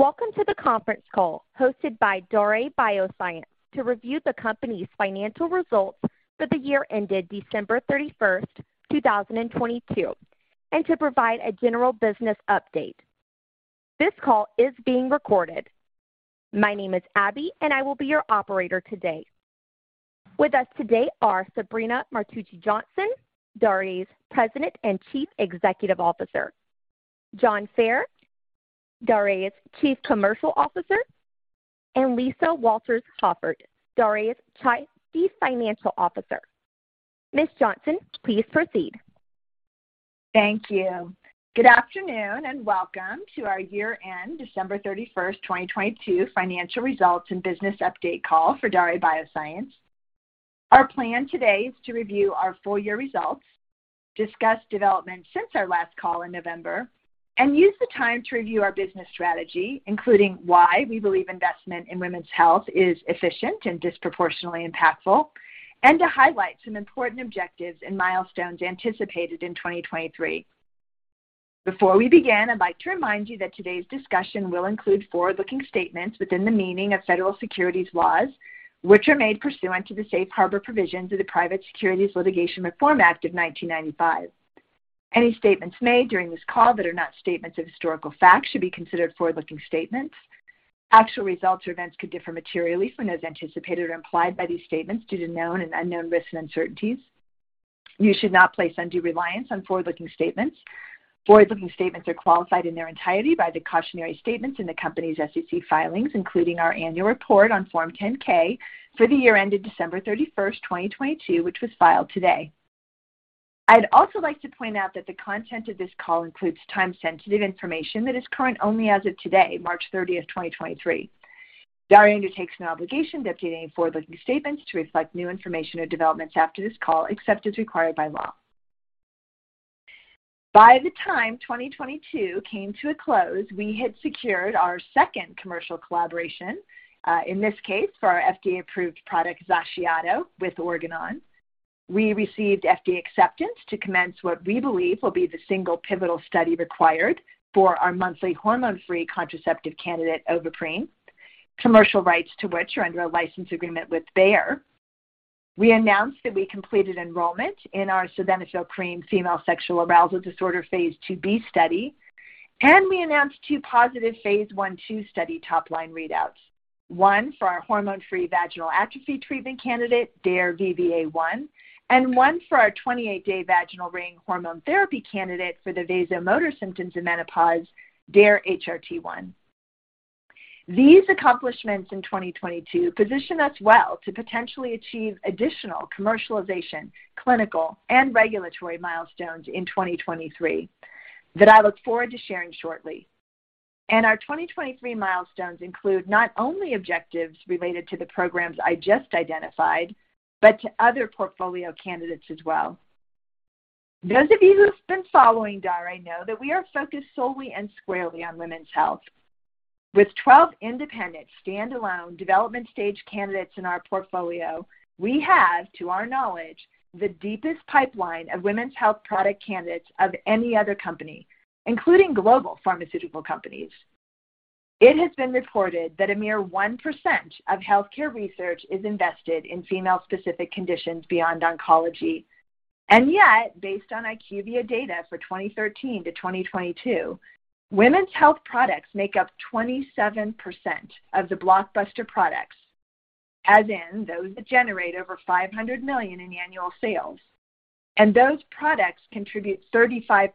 Welcome to the conference call hosted by Daré Bioscience to review the company's financial results for the year ended December 31st, 2022, and to provide a general business update. This call is being recorded. My name is Abby, and I will be your operator today. With us today are Sabrina Martucci Johnson, Daré's President and Chief Executive Officer; John Fair, Daré's Chief Commercial Officer; and Lisa Walters-Hoffert, Daré's Chief Financial Officer. Ms. Johnson, please proceed. Thank you. Good afternoon, and welcome to our year-end December 31st, 2022 financial results and business update call for Daré Bioscience. Our plan today is to review our full year results, discuss developments since our last call in November, and use the time to review our business strategy, including why we believe investment in women's health is efficient and disproportionately impactful, and to highlight some important objectives and milestones anticipated in 2023. Before we begin, I'd like to remind you that today's discussion will include forward-looking statements within the meaning of federal securities laws, which are made pursuant to the Safe Harbor provisions of the Private Securities Litigation Reform Act of 1995. Any statements made during this call that are not statements of historical fact should be considered forward-looking statements. Actual results or events could differ materially from those anticipated or implied by these statements due to known and unknown risks and uncertainties. You should not place undue reliance on forward-looking statements. Forward-looking statements are qualified in their entirety by the cautionary statements in the company's SEC filings, including our annual report on Form 10-K for the year ended December 31st, 2022, which was filed today. I'd also like to point out that the content of this call includes time-sensitive information that is current only as of today, March 30th, 2023. Daré undertakes no obligation to update any forward-looking statements to reflect new information or developments after this call, except as required by law. By the time 2022 came to a close, we had secured our second commercial collaboration, in this case, for our FDA-approved product, XACIATO, with Organon. We received FDA acceptance to commence what we believe will be the single pivotal study required for our monthly hormone-free contraceptive candidate, Ovaprene, commercial rights to which are under a license agreement with Bayer. We announced that we completed enrollment in our Sildenafil Cream female sexual arousal disorder phase II-B study. We announced two positive phase I/II study top-line readouts, one for our hormone-free vaginal atrophy treatment candidate, DARE-VVA1, and one for our 28-day vaginal ring hormone therapy candidate for the vasomotor symptoms in menopause, DARE-HRT1. These accomplishments in 2022 position us well to potentially achieve additional commercialization, clinical, and regulatory milestones in 2023 that I look forward to sharing shortly. Our 2023 milestones include not only objectives related to the programs I just identified, but to other portfolio candidates as well. Those of you who have been following Daré know that we are focused solely and squarely on women's health. With 12 independent standalone development stage candidates in our portfolio, we have, to our knowledge, the deepest pipeline of women's health product candidates of any other company, including global pharmaceutical companies. It has been reported that a mere 1% of healthcare research is invested in female-specific conditions beyond oncology. Yet, based on IQVIA data for 2013-2022, women's health products make up 27% of the blockbuster products, as in those that generate over $500 million in annual sales. Those products contribute 35%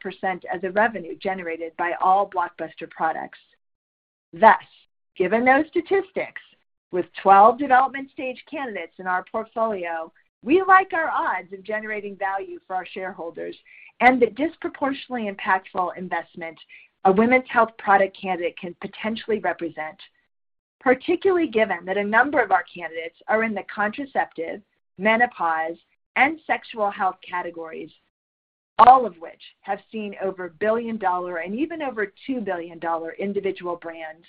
of the revenue generated by all blockbuster products. Thus, given those statistics, with 12 development stage candidates in our portfolio, we like our odds of generating value for our shareholders and the disproportionately impactful investment a women's health product candidate can potentially represent, particularly given that a number of our candidates are in the contraceptive, menopause, and sexual health categories, all of which have seen over billion-dollar and even over $2 billion individual brands,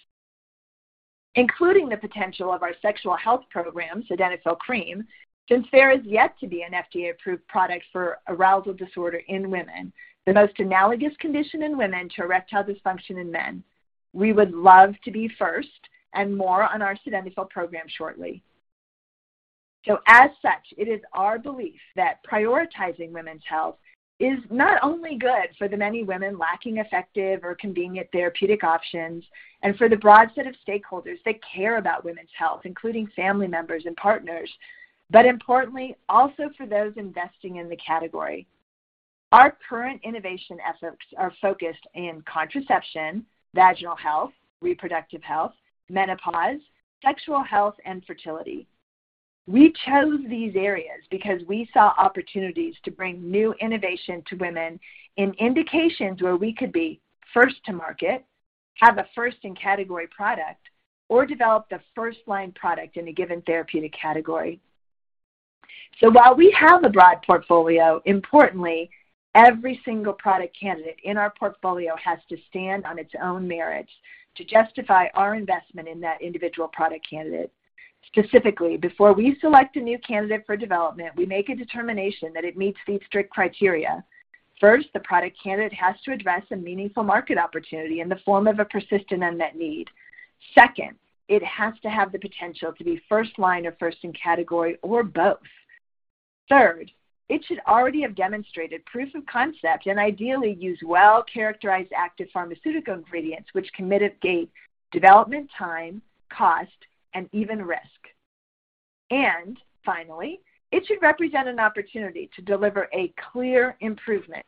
including the potential of our sexual health program, Sildenafil Cream, since there is yet to be an FDA-approved product for arousal disorder in women, the most analogous condition in women to erectile dysfunction in men. We would love to be first and more on our Sildenafil program shortly. As such, it is our belief that prioritizing women's health is not only good for the many women lacking effective or convenient therapeutic options and for the broad set of stakeholders that care about women's health, including family members and partners, but importantly, also for those investing in the category. Our current innovation efforts are focused in contraception, vaginal health, reproductive health, menopause, sexual health, and fertility. We chose these areas because we saw opportunities to bring new innovation to women in indications where we could be first to market, have a first in category product, or develop the first-line product in a given therapeutic category. While we have a broad portfolio, importantly, every single product candidate in our portfolio has to stand on its own merits to justify our investment in that individual product candidate. Specifically, before we select a new candidate for development, we make a determination that it meets these strict criteria. First, the product candidate has to address a meaningful market opportunity in the form of a persistent unmet need. Second, it has to have the potential to be first line or first in category or both. Third, it should already have demonstrated proof of concept and ideally use well-characterized active pharmaceutical ingredients which can mitigate development time, cost, and even risk. Finally, it should represent an opportunity to deliver a clear improvement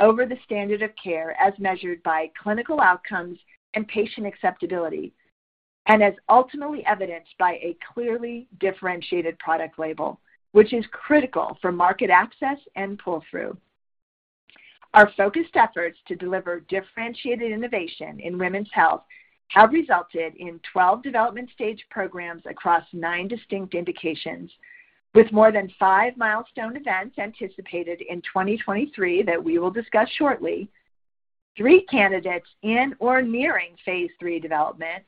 over the standard of care as measured by clinical outcomes and patient acceptability, and as ultimately evidenced by a clearly differentiated product label, which is critical for market access and pull-through. Our focused efforts to deliver differentiated innovation in women's health have resulted in 12 development stage programs across nine distinct indications. With more than five milestone events anticipated in 2023 that we will discuss shortly, three candidates in or nearing phase III development,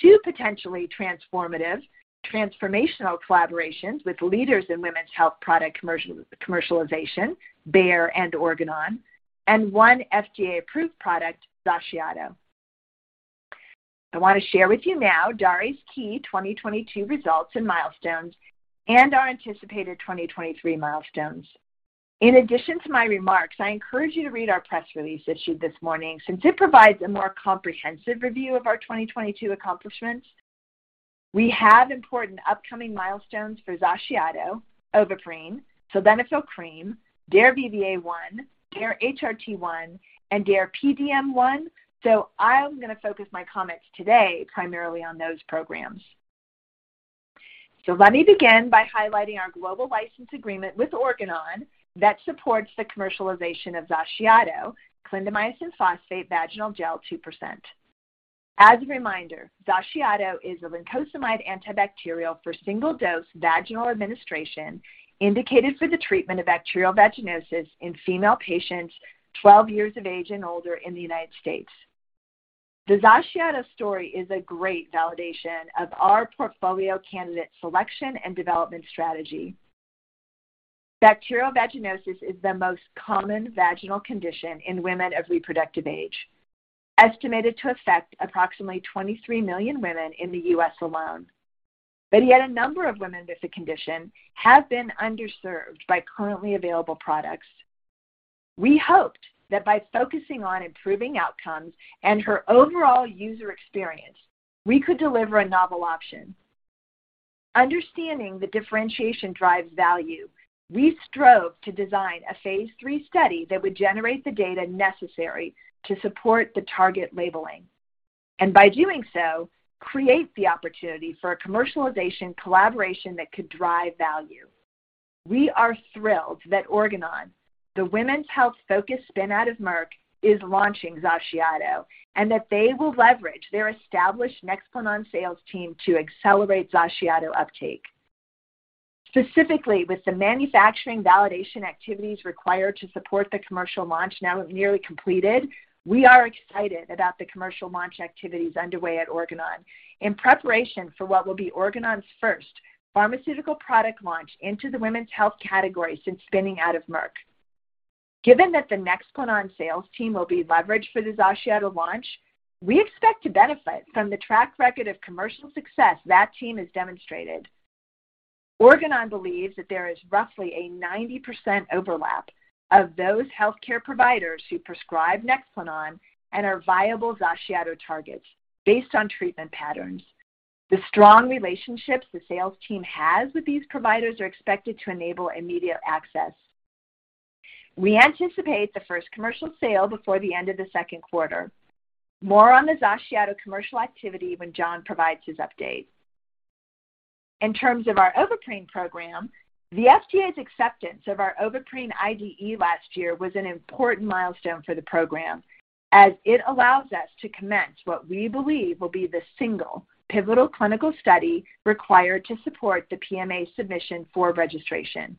two potentially transformational collaborations with leaders in women's health product commercialization, Bayer and Organon, and one FDA-approved product, XACIATO. I want to share with you now Daré's key 2022 results and milestones and our anticipated 2023 milestones. In addition to my remarks, I encourage you to read our press release issued this morning since it provides a more comprehensive review of our 2022 accomplishments. We have important upcoming milestones for XACIATO, Ovaprene, Sildenafil Cream, DARE-VVA1, DARE-HRT1, and DARE-PDM1. I'm going to focus my comments today primarily on those programs. Let me begin by highlighting our global license agreement with Organon that supports the commercialization of XACIATO, clindamycin phosphate vaginal gel 2%. As a reminder, XACIATO is a lincosamide antibacterial for single-dose vaginal administration indicated for the treatment of bacterial vaginosis in female patients 12 years of age and older in the United States. The XACIATO story is a great validation of our portfolio candidate selection and development strategy. Bacterial vaginosis is the most common vaginal condition in women of reproductive age, estimated to affect approximately 23 million women in the U.S. alone. Yet a number of women with the condition have been underserved by currently available products. We hoped that by focusing on improving outcomes and her overall user experience, we could deliver a novel option. Understanding that differentiation drives value, we strove to design a phase III study that would generate the data necessary to support the target labeling. By doing so, create the opportunity for a commercialization collaboration that could drive value. We are thrilled that Organon, the women's health-focused spin-out of Merck, is launching XACIATO, and that they will leverage their established NEXPLANON sales team to accelerate XACIATO uptake. Specifically, with the manufacturing validation activities required to support the commercial launch now nearly completed, we are excited about the commercial launch activities underway at Organon in preparation for what will be Organon's first pharmaceutical product launch into the women's health category since spinning out of Merck. Given that the NEXPLANON sales team will be leveraged for the XACIATO launch, we expect to benefit from the track record of commercial success that team has demonstrated. Organon believes that there is roughly a 90% overlap of those healthcare providers who prescribe NEXPLANON and are viable XACIATO targets based on treatment patterns. The strong relationships the sales team has with these providers are expected to enable immediate access. We anticipate the first commercial sale before the end of the second quarter. More on the XACIATO commercial activity when John provides his update. In terms of our Ovaprene program, the FDA's acceptance of our Ovaprene IDE last year was an important milestone for the program, as it allows us to commence what we believe will be the single pivotal clinical study required to support the PMA submission for registration.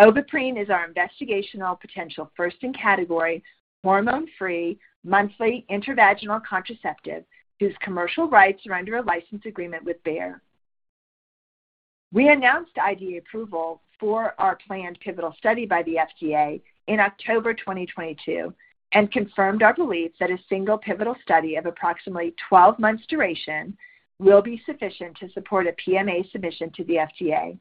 Ovaprene is our investigational potential first in category, hormone-free, monthly intravaginal contraceptive whose commercial rights are under a license agreement with Bayer. We announced IDE approval for our planned pivotal study by the FDA in October 2022 and confirmed our belief that a single pivotal study of approximately 12 months duration will be sufficient to support a PMA submission to the FDA.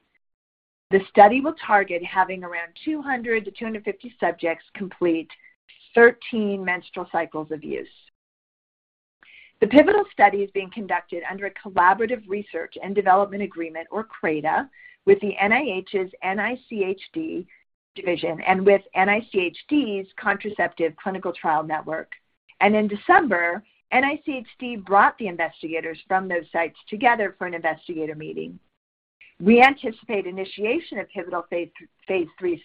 The study will target having around 200-250 subjects complete 13 menstrual cycles of use. The pivotal study is being conducted under a collaborative research and development agreement or CRADA with the NIH's NICHD division and with NICHD's Contraceptive Clinical Trial Network. In December, NICHD brought the investigators from those sites together for an investigator meeting. We anticipate initiation of pivotal phase III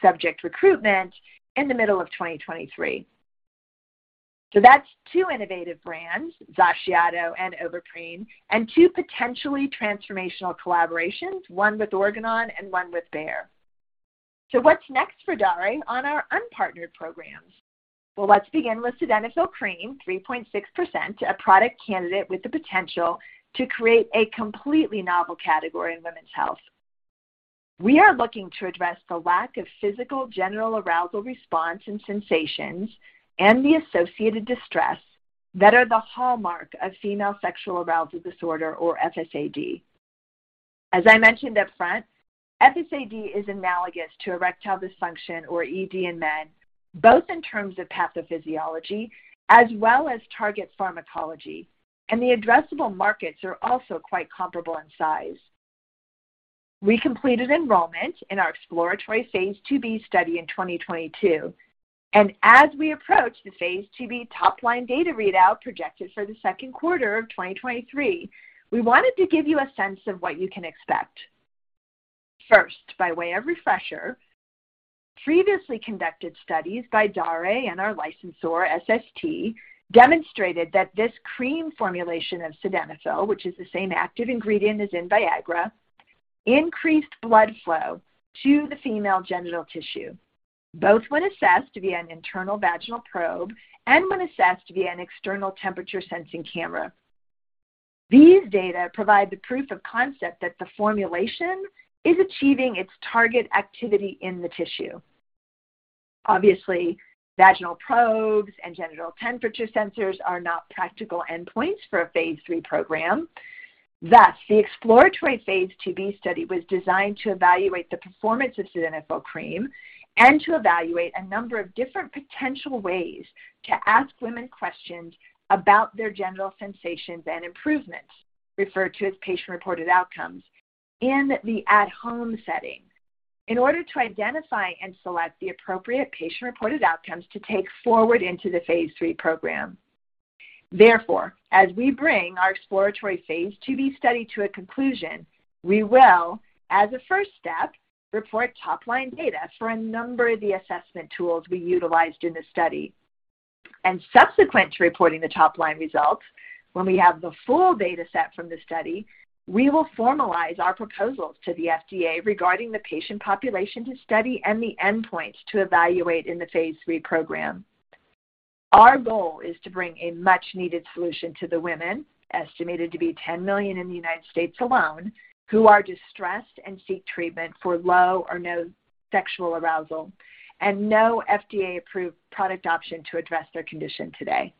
subject recruitment in the middle of 2023. That's two innovative brands, XACIATO and Ovaprene, and two potentially transformational collaborations, one with Organon and one with Bayer. What's next for Daré on our unpartnered programs? Let's begin with Sildenafil Cream, 3.6%, a product candidate with the potential to create a completely novel category in women's health. We are looking to address the lack of physical general arousal response and sensations, and the associated distress that are the hallmark of female sexual arousal disorder or FSAD. As I mentioned up front, FSAD is analogous to erectile dysfunction or ED in men, both in terms of pathophysiology as well as target pharmacology, and the addressable markets are also quite comparable in size. We completed enrollment in our exploratory phase II-B study in 2022. As we approach the phase II-B top-line data readout projected for the second quarter of 2023, we wanted to give you a sense of what you can expect. First, by way of refresher, previously conducted studies by Daré and our licensor, SST, demonstrated that this cream formulation of Sildenafil, which is the same active ingredient as in Viagra, increased blood flow to the female genital tissue, both when assessed via an internal vaginal probe and when assessed via an external temperature sensing camera. These data provide the proof of concept that the formulation is achieving its target activity in the tissue. Obviously, vaginal probes and genital temperature sensors are not practical endpoints for a phase III program. Thus, the exploratory phase II-B study was designed to evaluate the performance of Sildenafil Cream and to evaluate a number of different potential ways to ask women questions about their genital sensations and improvements, referred to as patient-reported outcomes, in the at-home setting in order to identify and select the appropriate patient-reported outcomes to take forward into the phase III program. Subsequent to reporting the top line results, when we have the full data set from the study, we will formalize our proposals to the FDA regarding the patient population to study and the endpoints to evaluate in the phase III program. Our goal is to bring a much-needed solution to the women, estimated to be 10 million in the United States alone, who are distressed and seek treatment for low or no sexual arousal and no FDA-approved product option to address their condition today.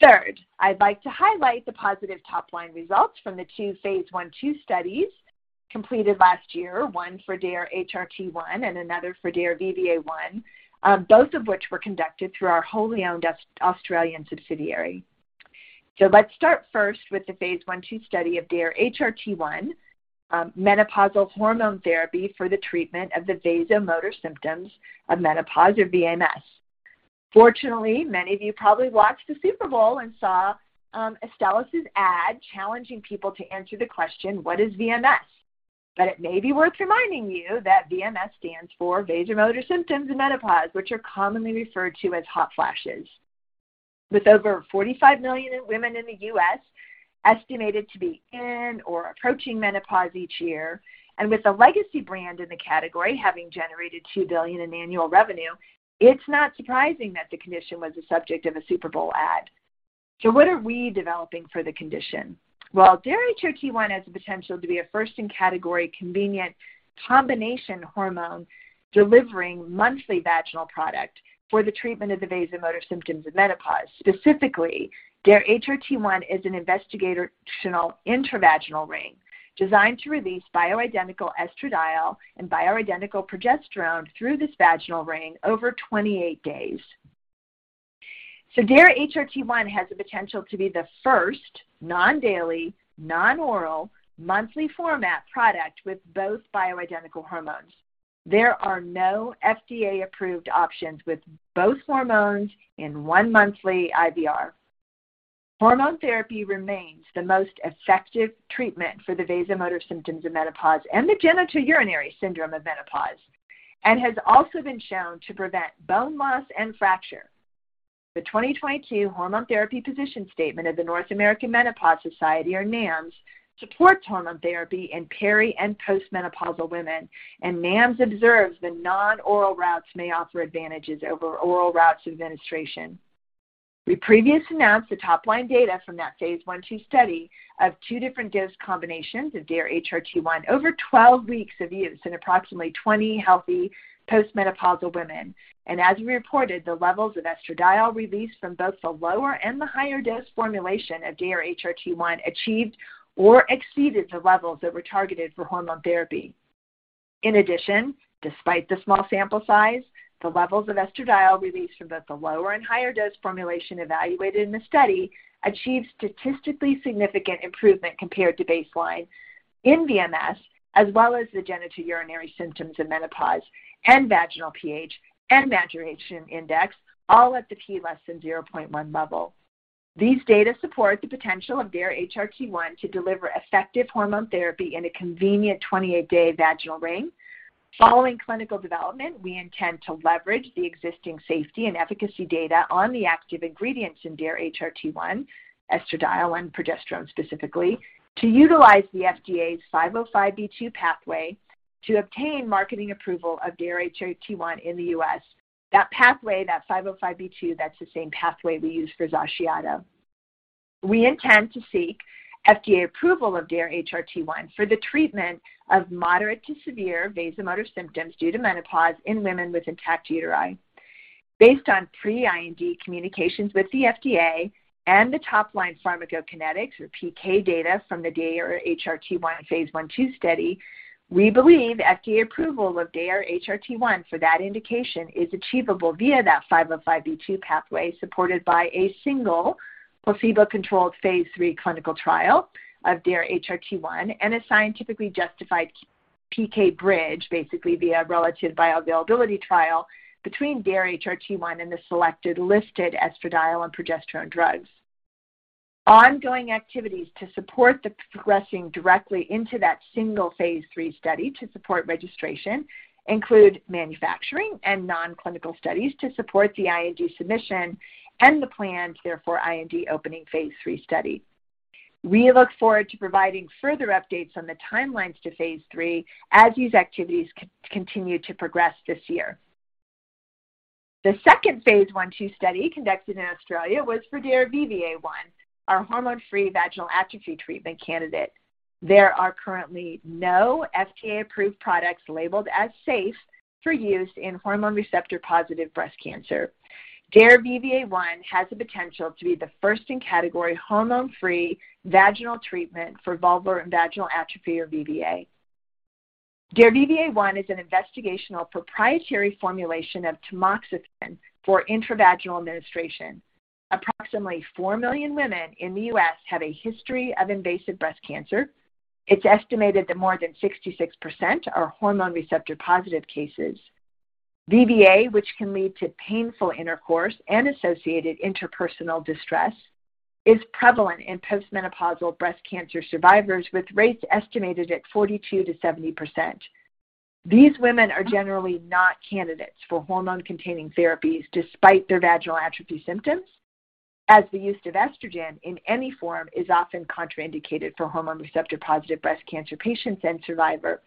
Third, I'd like to highlight the positive top-line results from the two phase I/II studies completed last year, one for DARE-HRT1 and another for DARE-VVA1, both of which were conducted through our wholly owned Australian subsidiary. Let's start first with the phase I/II study of DARE-HRT1, menopausal hormone therapy for the treatment of the vasomotor symptoms of menopause or VMS. Fortunately, many of you probably watched the Super Bowl and saw Astellas's ad challenging people to answer the question, what is VMS? It may be worth reminding you that VMS stands for vasomotor symptoms of menopause, which are commonly referred to as hot flashes. With over 45 million women in the U.S. estimated to be in or approaching menopause each year, and with a legacy brand in the category having generated $2 billion in annual revenue, it's not surprising that the condition was the subject of a Super Bowl ad. What are we developing for the condition? Well, DARE-HRT1 has the potential to be a first in category convenient combination hormone delivering monthly vaginal product for the treatment of the vasomotor symptoms of menopause. Specifically, DARE-HRT1 is an investigational intravaginal ring designed to release bioidentical estradiol and bioidentical progesterone through this vaginal ring over 28 days. DARE-HRT1 has the potential to be the first non-daily, non-oral, monthly format product with both bioidentical hormones. There are no FDA-approved options with both hormones in one monthly IVR. Hormone therapy remains the most effective treatment for the vasomotor symptoms of menopause and the genitourinary syndrome of menopause, has also been shown to prevent bone loss and fracture. The 2022 hormone therapy position statement of The North American Menopause Society, or NAMS, supports hormone therapy in peri and post-menopausal women, NAMS observes that non-oral routes may offer advantages over oral routes of administration. We previously announced the top-line data from that phase I/II study of two different dose combinations of DARE-HRT1 over 12 weeks of use in approximately 20 healthy post-menopausal women. As we reported, the levels of estradiol released from both the lower and the higher dose formulation of DARE-HRT1 achieved or exceeded the levels that were targeted for hormone therapy. In addition, despite the small sample size, the levels of estradiol released from both the lower and higher dose formulation evaluated in the study achieved statistically significant improvement compared to baseline in VMS, as well as the genitourinary symptoms of menopause and vaginal pH and maturation index, all at the p less than 0.1 level. These data support the potential of DARE-HRT1 to deliver effective hormone therapy in a convenient 28-day vaginal ring. Following clinical development, we intend to leverage the existing safety and efficacy data on the active ingredients in DARE-HRT1, estradiol and progesterone specifically. To utilize the FDA's 505(b)(2) pathway to obtain marketing approval of DARE-HRT1 in the U.S. That pathway, that 505(b)(2), that's the same pathway we used for XACIATO. We intend to seek FDA approval of DARE-HRT1 for the treatment of moderate to severe vasomotor symptoms due to menopause in women with intact uteri. Based on pre-IND communications with the FDA and the top line pharmacokinetics or PK data from the DARE-HRT1 phase I/II study, we believe FDA approval of DARE-HRT1 for that indication is achievable via that 505(b)(2) pathway supported by a single placebo-controlled phase III clinical trial of DARE-HRT1 and a scientifically justified PK bridge, basically via relative bioavailability trial between DARE-HRT1 and the selected listed estradiol and progesterone drugs. Ongoing activities to support the progressing directly into that single phase III study to support registration include manufacturing and non-clinical studies to support the IND submission and the planned therefore IND opening phase III study. We look forward to providing further updates on the timelines to phase III as these activities continue to progress this year. The second phase I/II study conducted in Australia was for DARE-VVA1, our hormone-free vaginal atrophy treatment candidate. There are currently no FDA-approved products labeled as safe for use in hormone receptor-positive breast cancer. DARE-VVA1 has the potential to be the first in category hormone-free vaginal treatment for vulvar and vaginal atrophy or VVA. DARE-VVA1 is an investigational proprietary formulation of tamoxifen for intravaginal administration. Approximately 4 million women in the U.S. have a history of invasive breast cancer. It's estimated that more than 66% are hormone receptor-positive cases. VVA, which can lead to painful intercourse and associated interpersonal distress, is prevalent in post-menopausal breast cancer survivors with rates estimated at 42%-70%. These women are generally not candidates for hormone-containing therapies despite their vaginal atrophy symptoms, as the use of estrogen in any form is often contraindicated for hormone receptor-positive breast cancer patients and survivor.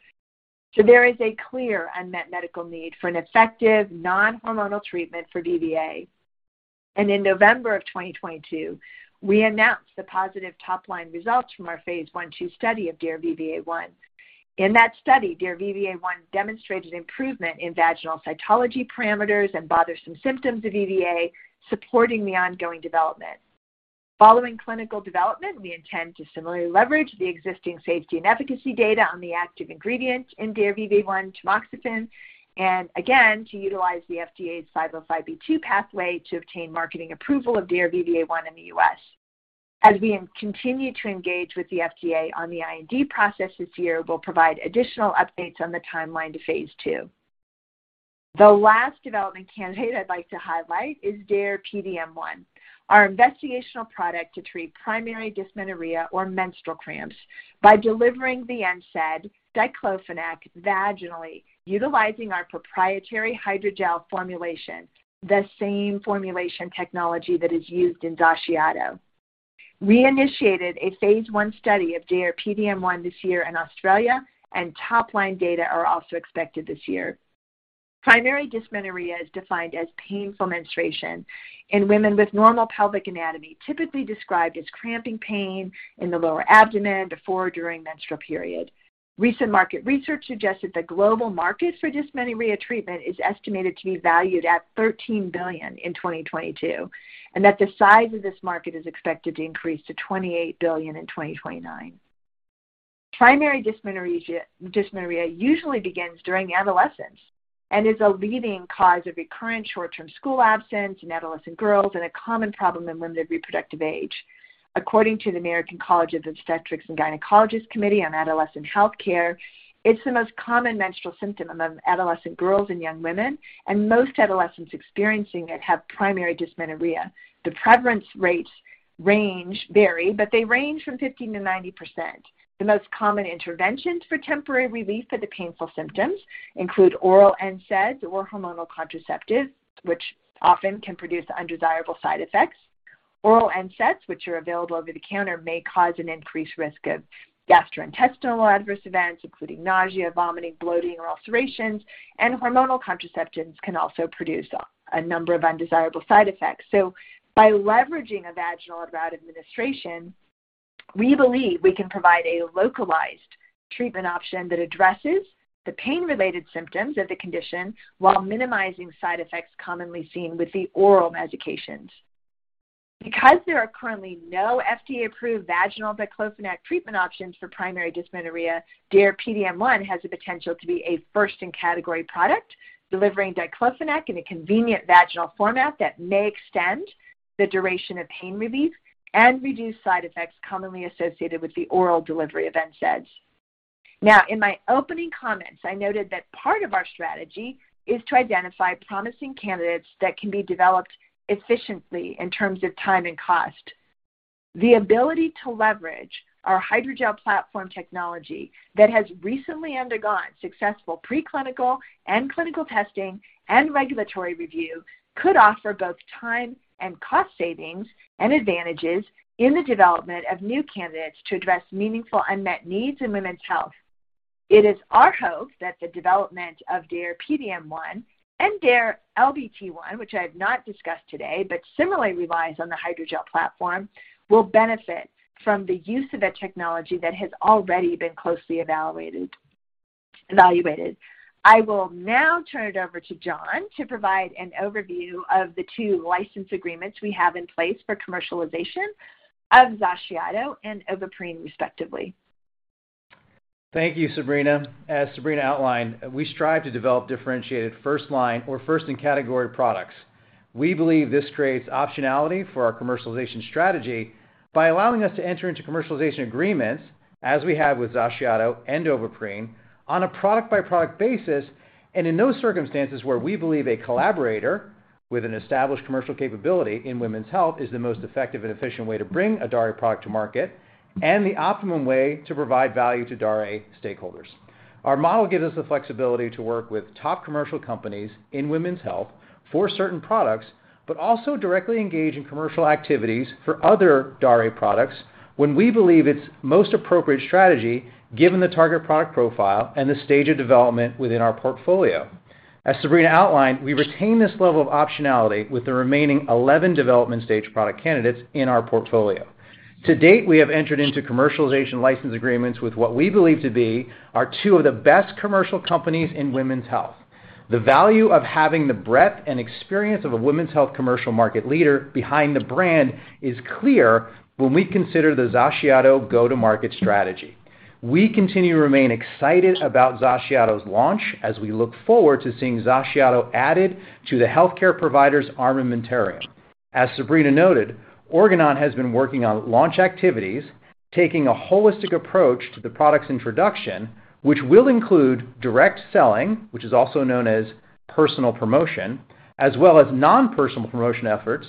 There is a clear unmet medical need for an effective non-hormonal treatment for VVA. In November of 2022, we announced the positive top-line results from our phase I/II study of DARE-VVA1. In that study, DARE-VVA1 demonstrated improvement in vaginal cytology parameters and bothersome symptoms of VVA, supporting the ongoing development. Following clinical development, we intend to similarly leverage the existing safety and efficacy data on the active ingredient in DARE-VVA1 tamoxifen, and again, to utilize the FDA's 505(b)(2) pathway to obtain marketing approval of DARE-VVA1 in the U.S. As we continue to engage with the FDA on the IND process this year, we'll provide additional updates on the timeline to phase II. The last development candidate I'd like to highlight is DARE-PDM1, our investigational product to treat primary dysmenorrhea or menstrual cramps by delivering the NSAID diclofenac vaginally, utilizing our proprietary hydrogel formulation, the same formulation technology that is used in XACIATO. We initiated a phase I study of DARE-PDM1 this year in Australia, and top-line data are also expected this year. Primary dysmenorrhea is defined as painful menstruation in women with normal pelvic anatomy, typically described as cramping pain in the lower abdomen before or during menstrual period. Recent market research suggested the global market for dysmenorrhea treatment is estimated to be valued at $13 billion in 2022, that the size of this market is expected to increase to $28 billion in 2029. Primary dysmenorrhea usually begins during adolescence and is a leading cause of recurrent short-term school absence in adolescent girls and a common problem in women of reproductive age. According to the American College of Obstetricians and Gynecologists Committee on Adolescent Health Care, it's the most common menstrual symptom among adolescent girls and young women, most adolescents experiencing it have primary dysmenorrhea. The prevalence rates vary, they range from 50%-90%. The most common interventions for temporary relief of the painful symptoms include oral NSAIDs or hormonal contraceptives, which often can produce undesirable side effects. Oral NSAIDs, which are available over the counter, may cause an increased risk of gastrointestinal adverse events, including nausea, vomiting, bloating, or ulcerations. Hormonal contraceptives can also produce a number of undesirable side effects. By leveraging a vaginal route administration, we believe we can provide a localized treatment option that addresses the pain-related symptoms of the condition while minimizing side effects commonly seen with the oral medications. Because there are currently no FDA-approved vaginal diclofenac treatment options for primary dysmenorrhea, DARE-PDM1 has the potential to be a first in category product, delivering diclofenac in a convenient vaginal format that may extend the duration of pain relief and reduce side effects commonly associated with the oral delivery of NSAIDs. Now, in my opening comments, I noted that part of our strategy is to identify promising candidates that can be developed efficiently in terms of time and cost. The ability to leverage our hydrogel platform technology that has recently undergone successful preclinical and clinical testing and regulatory review could offer both time and cost savings and advantages in the development of new candidates to address meaningful unmet needs in women's health. It is our hope that the development of DARE-PDM1 and DARE-LBT, which I have not discussed today, but similarly relies on the hydrogel platform, will benefit from the use of a technology that has already been closely evaluated. I will now turn it over to John to provide an overview of the two license agreements we have in place for commercialization of XACIATO and Ovaprene, respectively. Thank you, Sabrina. As Sabrina outlined, we strive to develop differentiated first line or first in category products. We believe this creates optionality for our commercialization strategy by allowing us to enter into commercialization agreements, as we have with XACIATO and Ovaprene, on a product by product basis, and in those circumstances where we believe a collaborator with an established commercial capability in women's health is the most effective and efficient way to bring a Daré product to market and the optimum way to provide value to Daré stakeholders. Our model gives us the flexibility to work with top commercial companies in women's health for certain products, but also directly engage in commercial activities for other Daré products when we believe its most appropriate strategy, given the target product profile and the stage of development within our portfolio. As Sabrina outlined, we retain this level of optionality with the remaining 11 development stage product candidates in our portfolio. To date, we have entered into commercialization license agreements with what we believe to be are two of the best commercial companies in women's health. The value of having the breadth and experience of a women's health commercial market leader behind the brand is clear when we consider the XACIATO go-to-market strategy. We continue to remain excited about XACIATO's launch as we look forward to seeing XACIATO added to the healthcare provider's armamentarium. As Sabrina noted, Organon has been working on launch activities, taking a holistic approach to the product's introduction, which will include direct selling, which is also known as personal promotion, as well as non-personal promotion efforts,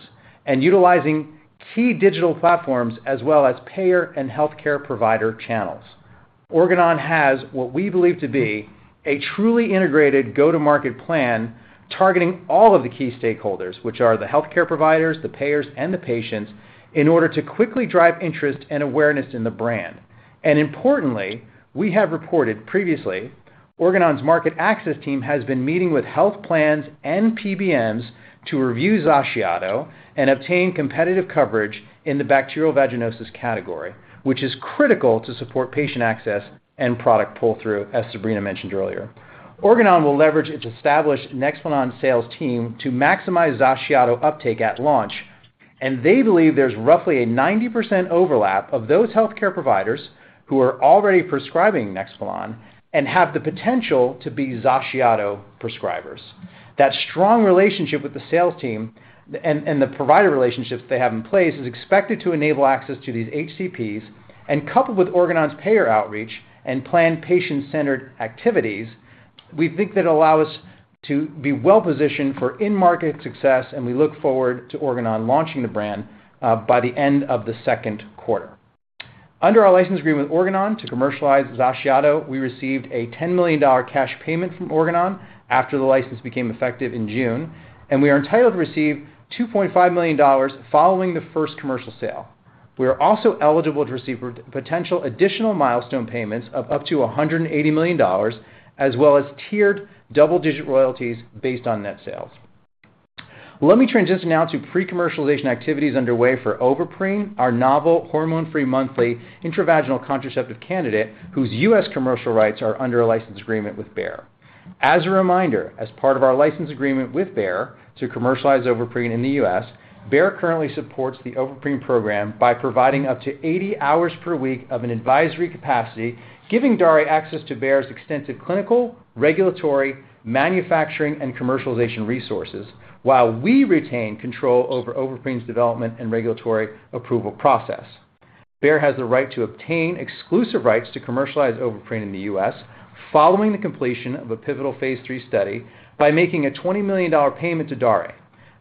and utilizing key digital platforms as well as payer and healthcare provider channels. Organon has what we believe to be a truly integrated go-to-market plan targeting all of the key stakeholders, which are the healthcare providers, the payers, and the patients, in order to quickly drive interest and awareness in the brand. Importantly, we have reported previously Organon's market access team has been meeting with health plans and PBMs to review XACIATO and obtain competitive coverage in the bacterial vaginosis category, which is critical to support patient access and product pull-through, as Sabrina mentioned earlier. Organon will leverage its established NEXPLANON sales team to maximize XACIATO uptake at launch, and they believe there's roughly a 90% overlap of those healthcare providers who are already prescribing NEXPLANON and have the potential to be XACIATO prescribers. That strong relationship with the sales team and the provider relationships they have in place is expected to enable access to these HCPs and coupled with Organon's payer outreach and plan patient-centered activities, we think that allow us to be well-positioned for in-market success. We look forward to Organon launching the brand by the end of the second quarter. Under our license agreement with Organon to commercialize XACIATO, we received a $10 million cash payment from Organon after the license became effective in June. We are entitled to receive $2.5 million following the first commercial sale. We are also eligible to receive potential additional milestone payments of up to $180 million as well as tiered double-digit royalties based on net sales. Let me transition now to pre-commercialization activities underway for Ovaprene, our novel hormone-free monthly intravaginal contraceptive candidate whose U.S. commercial rights are under a license agreement with Bayer. As a reminder, as part of our license agreement with Bayer to commercialize Ovaprene in the U.S., Bayer currently supports the Ovaprene program by providing up to 80 hours per week of an advisory capacity, giving Daré access to Bayer's extensive clinical, regulatory, manufacturing, and commercialization resources while we retain control over Ovaprene's development and regulatory approval process. Bayer has the right to obtain exclusive rights to commercialize Ovaprene in the U.S. following the completion of a pivotal phase III study by making a $20 million payment to Daré.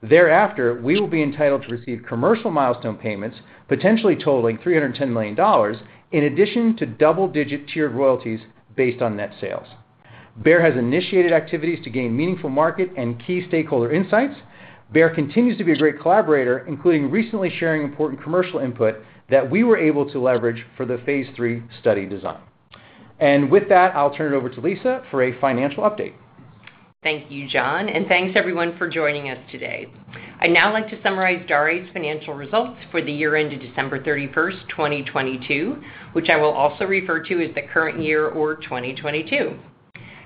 Thereafter, we will be entitled to receive commercial milestone payments, potentially totaling $310 million, in addition to double-digit tiered royalties based on net sales. Bayer has initiated activities to gain meaningful market and key stakeholder insights. Bayer continues to be a great collaborator, including recently sharing important commercial input that we were able to leverage for the phase III study design. With that, I'll turn it over to Lisa for a financial update. Thank you, John, thanks everyone for joining us today. I'd now like to summarize Daré's financial results for the year end to December 31st, 2022, which I will also refer to as the current year or 2022.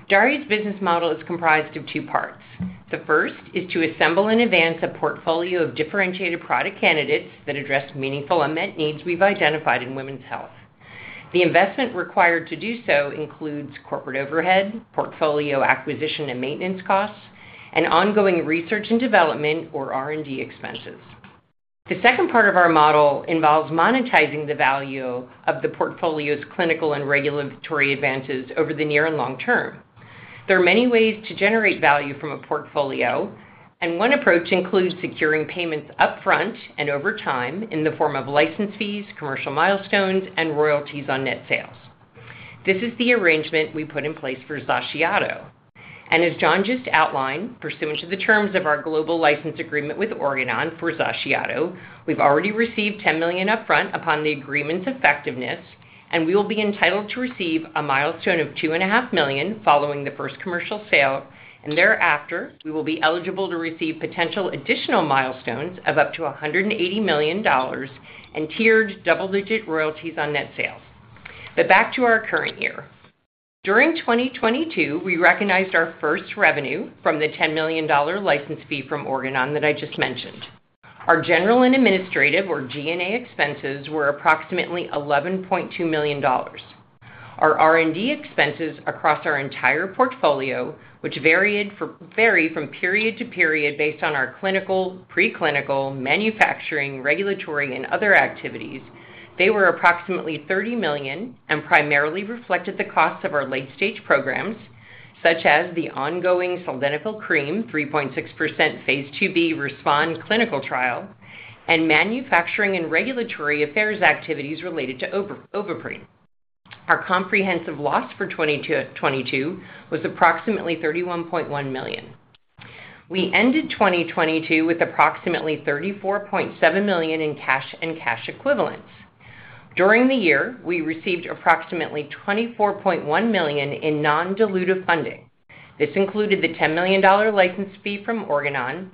Daré's business model is comprised of two parts. The first is to assemble in advance a portfolio of differentiated product candidates that address meaningful unmet needs we've identified in women's health. The investment required to do so includes corporate overhead, portfolio acquisition and maintenance costs, and ongoing research and development or R&D expenses. The second part of our model involves monetizing the value of the portfolio's clinical and regulatory advances over the near and long term. There are many ways to generate value from a portfolio, and one approach includes securing payments upfront and over time in the form of license fees, commercial milestones, and royalties on net sales. This is the arrangement we put in place for XACIATO. As John just outlined, pursuant to the terms of our global license agreement with Organon for XACIATO, we've already received $10 million upfront upon the agreement's effectiveness, and we will be entitled to receive a milestone of two and a half million dollars following the first commercial sale. Thereafter, we will be eligible to receive potential additional milestones of up to $180 million and tiered double-digit royalties on net sales. Back to our current year. During 2022, we recognized our first revenue from the $10 million license fee from Organon that I just mentioned. Our general and administrative, or G&A, expenses were approximately $11.2 million. Our R&D expenses across our entire portfolio, which vary from period to period based on our clinical, preclinical, manufacturing, regulatory, and other activities, they were approximately $30 million and primarily reflected the costs of our late-stage programs, such as the ongoing Sildenafil Cream, 3.6% phase II-B RESPOND clinical trial and manufacturing and regulatory affairs activities related to Ovaprene. Our comprehensive loss for 2022 was approximately $31.1 million. We ended 2022 with approximately $34.7 million in cash and cash equivalents. During the year, we received approximately $24.1 million in non-dilutive funding. This included the $10 million license fee from Organon,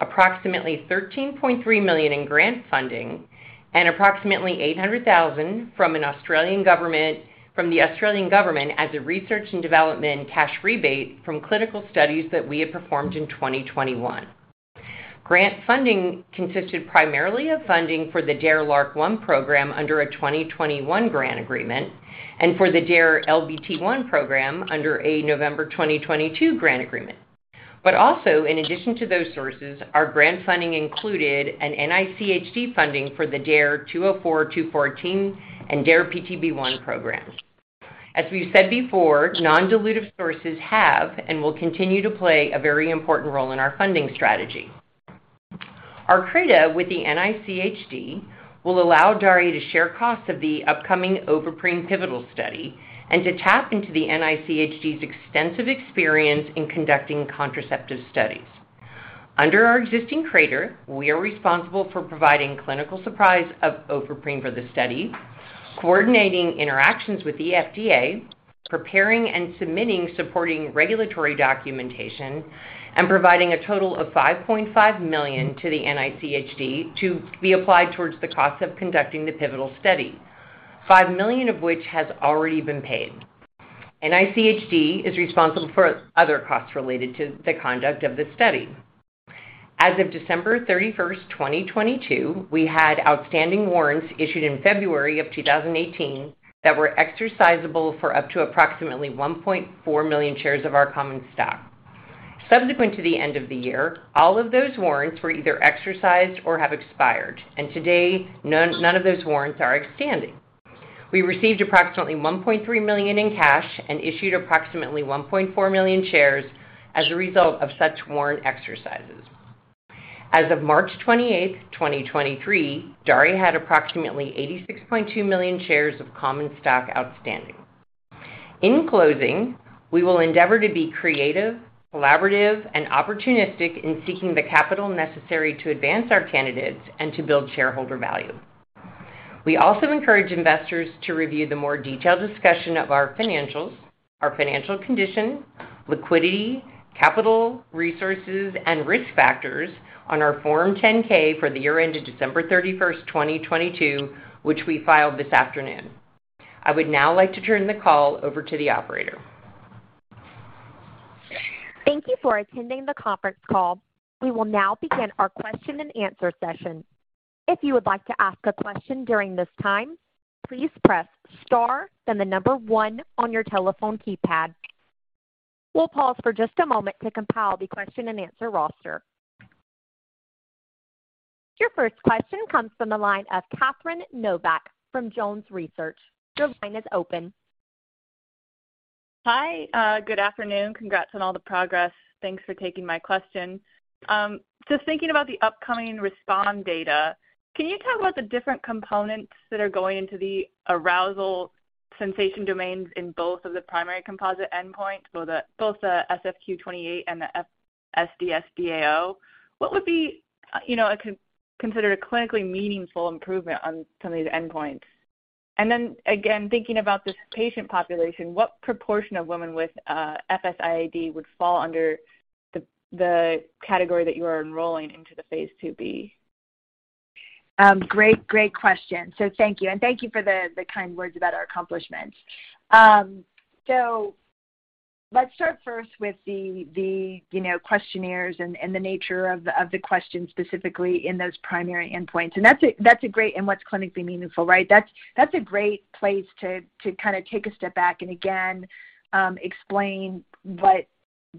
approximately $13.3 million in grant funding, and approximately 800,000 from the Australian government as a research and development cash rebate from clinical studies that we had performed in 2021. Grant funding consisted primarily of funding for the DARE-LARC1 program under a 2021 grant agreement and for the DARE-LBT1 program under a November 2022 grant agreement. Also, in addition to those sources, our grant funding included an NICHD funding for the DARE-204, 214 and DARE-PTB1 programs. As we've said before, non-dilutive sources have and will continue to play a very important role in our funding strategy. Our CRADA with the NICHD will allow Daré to share costs of the upcoming Ovaprene pivotal study and to tap into the NICHD's extensive experience in conducting contraceptive studies. Under our existing CRADA, we are responsible for providing clinical supplies of Ovaprene for the study, coordinating interactions with the FDA, preparing and submitting supporting regulatory documentation, and providing a total of $5.5 million to the NICHD to be applied towards the cost of conducting the pivotal study, $5 million of which has already been paid. NICHD is responsible for other costs related to the conduct of the study. As of December 31st, 2022, we had outstanding warrants issued in February 2018 that were exercisable for up to approximately 1.4 million shares of our common stock. Subsequent to the end of the year, all of those warrants were either exercised or have expired, and today none of those warrants are outstanding. We received approximately $1.3 million in cash and issued approximately $1.4 million shares as a result of such warrant exercises. As of March 28th, 2023, Daré had approximately 86.2 million shares of common stock outstanding. In closing, we will endeavor to be creative, collaborative, and opportunistic in seeking the capital necessary to advance our candidates and to build shareholder value. We also encourage investors to review the more detailed discussion of our financials, our financial condition, liquidity, capital resources, and risk factors on our Form 10-K for the year ended December 31st, 2022, which we filed this afternoon. I would now like to turn the call over to the operator. Thank you for attending the conference call. We will now begin our question and answer session. If you would like to ask a question during this time, please press star, then 1 on your telephone keypad. We'll pause for just a moment to compile the question and answer roster. Your first question comes from the line of Catherine Novack from JonesTrading. Your line is open. Hi, good afternoon. Congrats on all the progress. Thanks for taking my question. Just thinking about the upcoming RESPOND data, can you talk about the different components that are going into the arousal sensation domains in both of the primary composite endpoint, both the SFQ-28 and the FSDS-DAO? What would be, you know, considered a clinically meaningful improvement on some of these endpoints? Again, thinking about this patient population, what proportion of women with FSIAD would fall under the category that you are enrolling into the phase II-B? Great, great question. Thank you, and thank you for the kind words about our accomplishments. Let's start first with the, you know, questionnaires and the nature of the questions specifically in those primary endpoints. What's clinically meaningful, right? That's a great place to kind of take a step back and again, explain what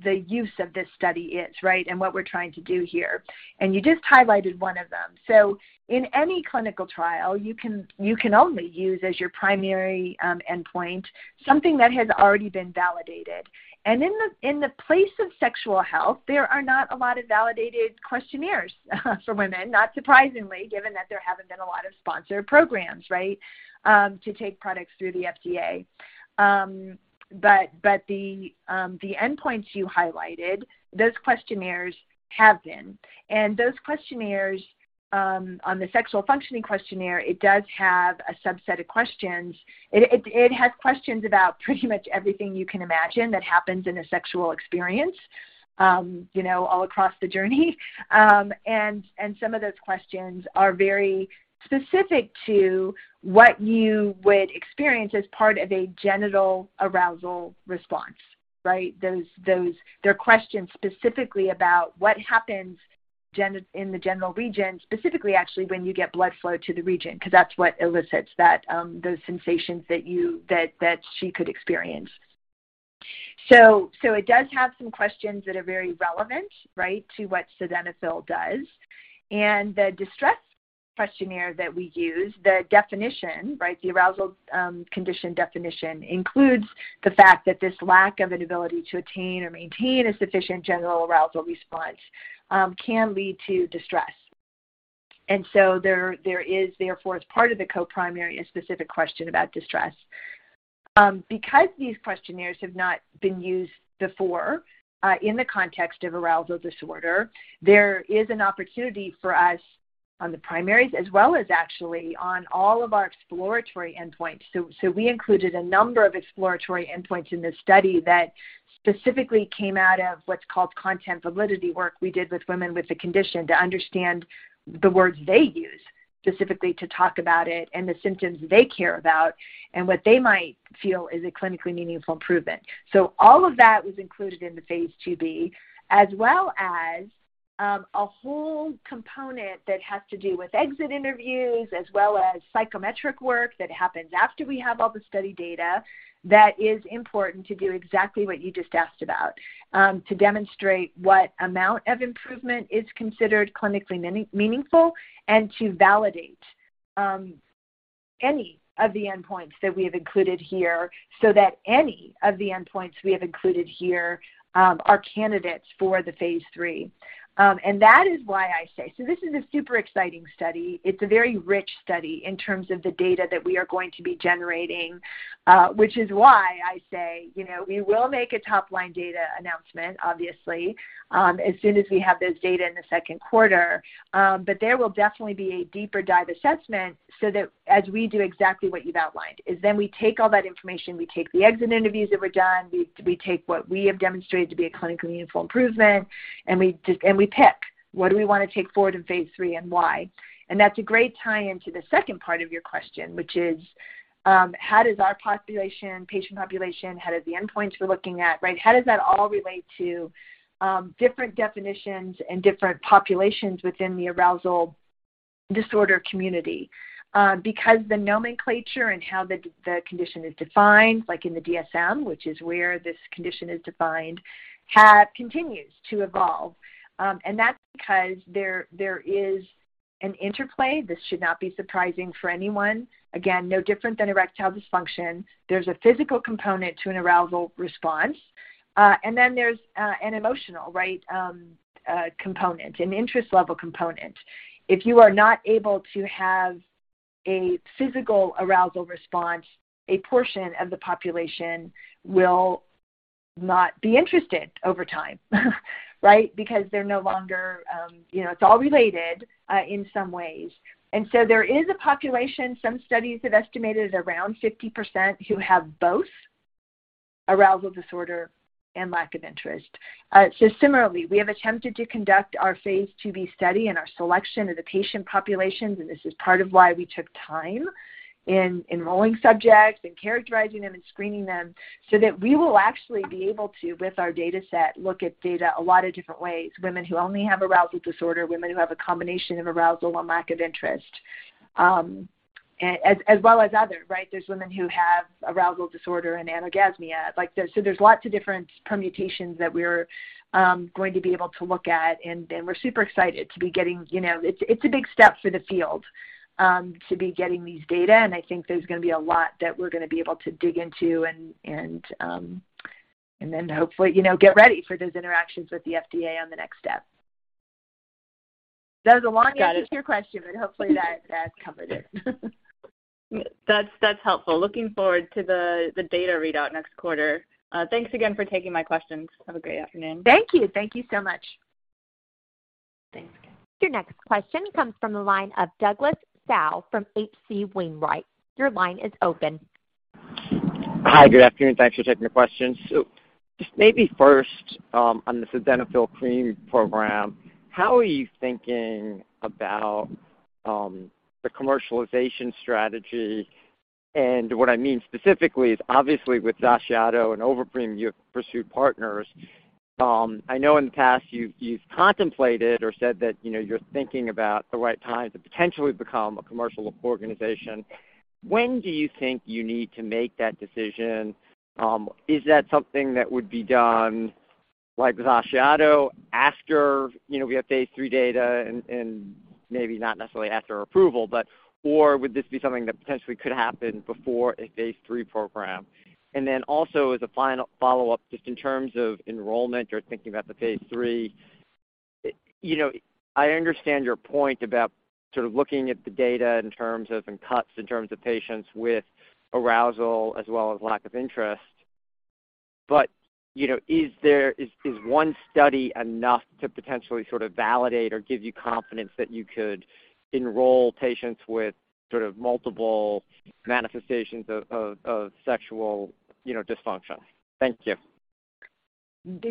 the use of this study is, right? What we're trying to do here. You just highlighted one of them. In any clinical trial, you can only use as your primary, endpoint something that has already been validated. In the place of sexual health, there are not a lot of validated questionnaires for women, not surprisingly, given that there haven't been a lot of sponsored programs, right, to take products through the FDA. But the endpoints you highlighted, those questionnaires have been. Those questionnaires on the sexual functioning questionnaire, it does have a subset of questions. It has questions about pretty much everything you can imagine that happens in a sexual experience, you know, all across the journey. And some of those questions are very specific to what you would experience as part of a genital arousal response, right? They're questions specifically about what happens in the genital region, specifically, actually, when you get blood flow to the region, 'cause that's what elicits that, those sensations that you, that she could experience. It does have some questions that are very relevant, right, to what sildenafil does. The distress questionnaire that we use, the definition, right, the arousal, condition definition includes the fact that this lack of an ability to attain or maintain a sufficient genital arousal response, can lead to distress. There, there is therefore, as part of the co-primary, a specific question about distress. Because these questionnaires have not been used before, in the context of arousal disorder, there is an opportunity for us on the primaries as well as actually on all of our exploratory endpoints. So we included a number of exploratory endpoints in this study that specifically came out of what's called content validity work we did with women with the condition to understand the words they use specifically to talk about it and the symptoms they care about and what they might feel is a clinically meaningful improvement. All of that was included in the phase II-B, as well as a whole component that has to do with exit interviews as well as psychometric work that happens after we have all the study data that is important to do exactly what you just asked about, to demonstrate what amount of improvement is considered clinically mean-meaningful and to validate, any of the endpoints that we have included here so that any of the endpoints we have included here, are candidates for the phase III. That is why I say, this is a super exciting study. It's a very rich study in terms of the data that we are going to be generating, which is why I say, you know, we will make a top-line data announcement, obviously, as soon as we have those data in the second quarter. There will definitely be a deeper dive assessment so that as we do exactly what you've outlined, is then we take all that information, we take the exit interviews that were done, we take what we have demonstrated to be a clinically meaningful improvement, and we pick what do we wanna take forward in phase III and why. That's a great tie-in to the second part of your question, which is, how does our population, patient population, how does the endpoints we're looking at, right, how does that all relate to different definitions and different populations within the arousal disorder community? Because the nomenclature and how the condition is defined, like in the DSM, which is where this condition is defined, continues to evolve. That's because there is an interplay. This should not be surprising for anyone. No different than erectile dysfunction. There's a physical component to an arousal response, then there's an emotional component, an interest level component. If you are not able to have a physical arousal response, a portion of the population will not be interested over time. Because they're no longer, you know, it's all related in some ways. There is a population, some studies have estimated around 50%, who have both arousal disorder and lack of interest. Similarly, we have attempted to conduct our phase II-B study and our selection of the patient populations, and this is part of why we took time in enrolling subjects and characterizing them and screening them, so that we will actually be able to, with our data set, look at data a lot of different ways, women who only have arousal disorder, women who have a combination of arousal and lack of interest, as well as others, right? There's women who have arousal disorder and anorgasmia. So there's lots of different permutations that we're going to be able to look at, and we're super excited to be getting, you know... It's a big step for the field, to be getting these data, and I think there's gonna be a lot that we're gonna be able to dig into and then hopefully, you know, get ready for those interactions with the FDA on the next step. That was a long answer. Got it. -to your question, hopefully that covered it. That's helpful. Looking forward to the data readout next quarter. Thanks again for taking my questions. Have a great afternoon. Thank you. Thank you so much. Thanks. Your next question comes from the line of Douglas Tsao from H.C. Wainwright. Your line is open. Hi. Good afternoon. Thanks for taking the questions. Just maybe first, on the Sildenafil Cream program, how are you thinking about the commercialization strategy? What I mean specifically is obviously with XACIATO and Ovaprene, you've pursued partners. I know in the past you've contemplated or said that, you know, you're thinking about the right time to potentially become a commercial organization. When do you think you need to make that decision? Is that something that would be done, like with XACIATO, after, you know, we have phase III data and maybe not necessarily after approval, or would this be something that potentially could happen before a phase III program? Also as a final follow-up, just in terms of enrollment, you're thinking about the phase III. You know, I understand your point about sort of looking at the data in terms of, and cuts in terms of patients with arousal as well as lack of interest. You know, is there, is one study enough to potentially sort of validate or give you confidence that you could enroll patients with sort of multiple manifestations of sexual, you know, dysfunction? Thank you.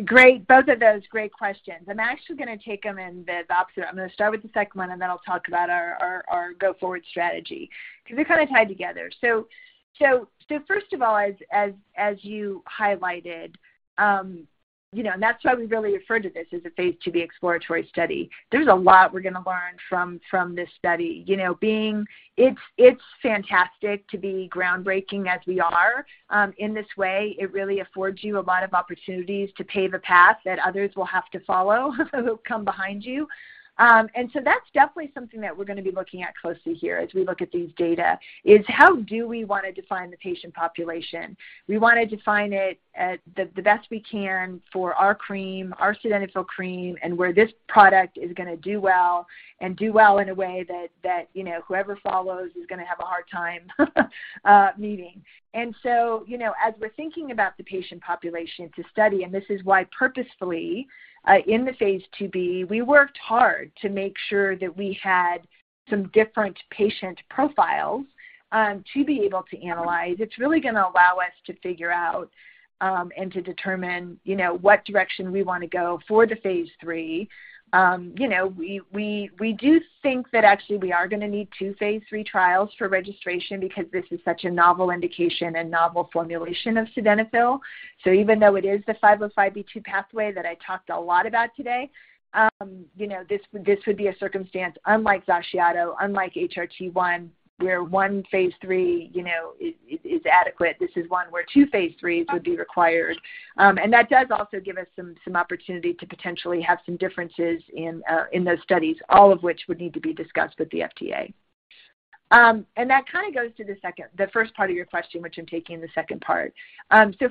Great. Both of those, great questions. I'm actually gonna take them in the opposite. I'm gonna start with the second one, then I'll talk about our go-forward strategy 'cause they're kinda tied together. So first of all, as you highlighted, you know, that's why we really refer to this as a phase IIb exploratory study. There's a lot we're gonna learn from this study. You know, it's fantastic to be groundbreaking as we are in this way. It really affords you a lot of opportunities to pave a path that others will have to follow who come behind you. That's definitely something that we're gonna be looking at closely here as we look at these data, is how do we wanna define the patient population? We wanna define it at the best we can for our cream, our Sildenafil Cream, and where this product is gonna do well and do well in a way that, you know, whoever follows is gonna have a hard time meeting. You know, as we're thinking about the patient population to study, and this is why purposefully, in the phase II-B, we worked hard to make sure that we had some different patient profiles to be able to analyze. It's really gonna allow us to figure out and to determine, you know, what direction we wanna go for the phase III. You know, we do think that actually we are gonna need two phase III trials for registration because this is such a novel indication and novel formulation of sildenafil. Even though it is the 505(b)(2) pathway that I talked a lot about today, you know, this would be a circumstance unlike XACIATO, unlike DARE-HRT1, where one phase III, you know, is adequate. This is one where two phase IIIs would be required. That does also give us some opportunity to potentially have some differences in those studies, all of which would need to be discussed with the FDA. That kinda goes to the second-- the first part of your question, which I'm taking the second part.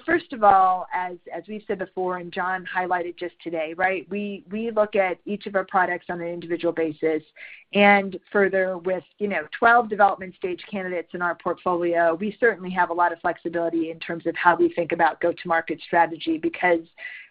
First of all, as we've said before, and John highlighted just today, right, we look at each of our products on an individual basis. Further with, you know, 12 development stage candidates in our portfolio, we certainly have a lot of flexibility in terms of how we think about go-to-market strategy. Because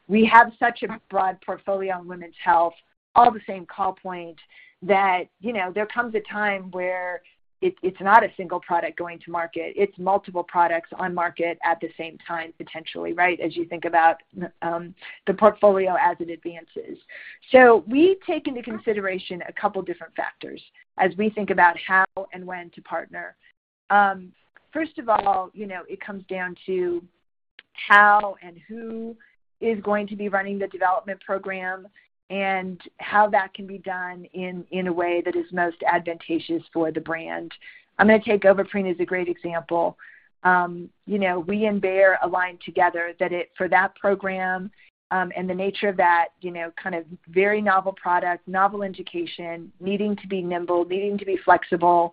we have such a broad portfolio on Women's Health, all the same call point that, you know, there comes a time where it's not a single product going to market. It's multiple products on market at the same time, potentially, right, as you think about the portfolio as it advances. We take into consideration a couple different factors as we think about how and when to partner. First of all, you know, it comes down to how and who is going to be running the development program and how that can be done in a way that is most advantageous for the brand. I'm gonna take Ovaprene as a great example. You know, we and Bayer aligned together that for that program, and the nature of that, you know, kind of very novel product, novel indication, needing to be nimble, needing to be flexible,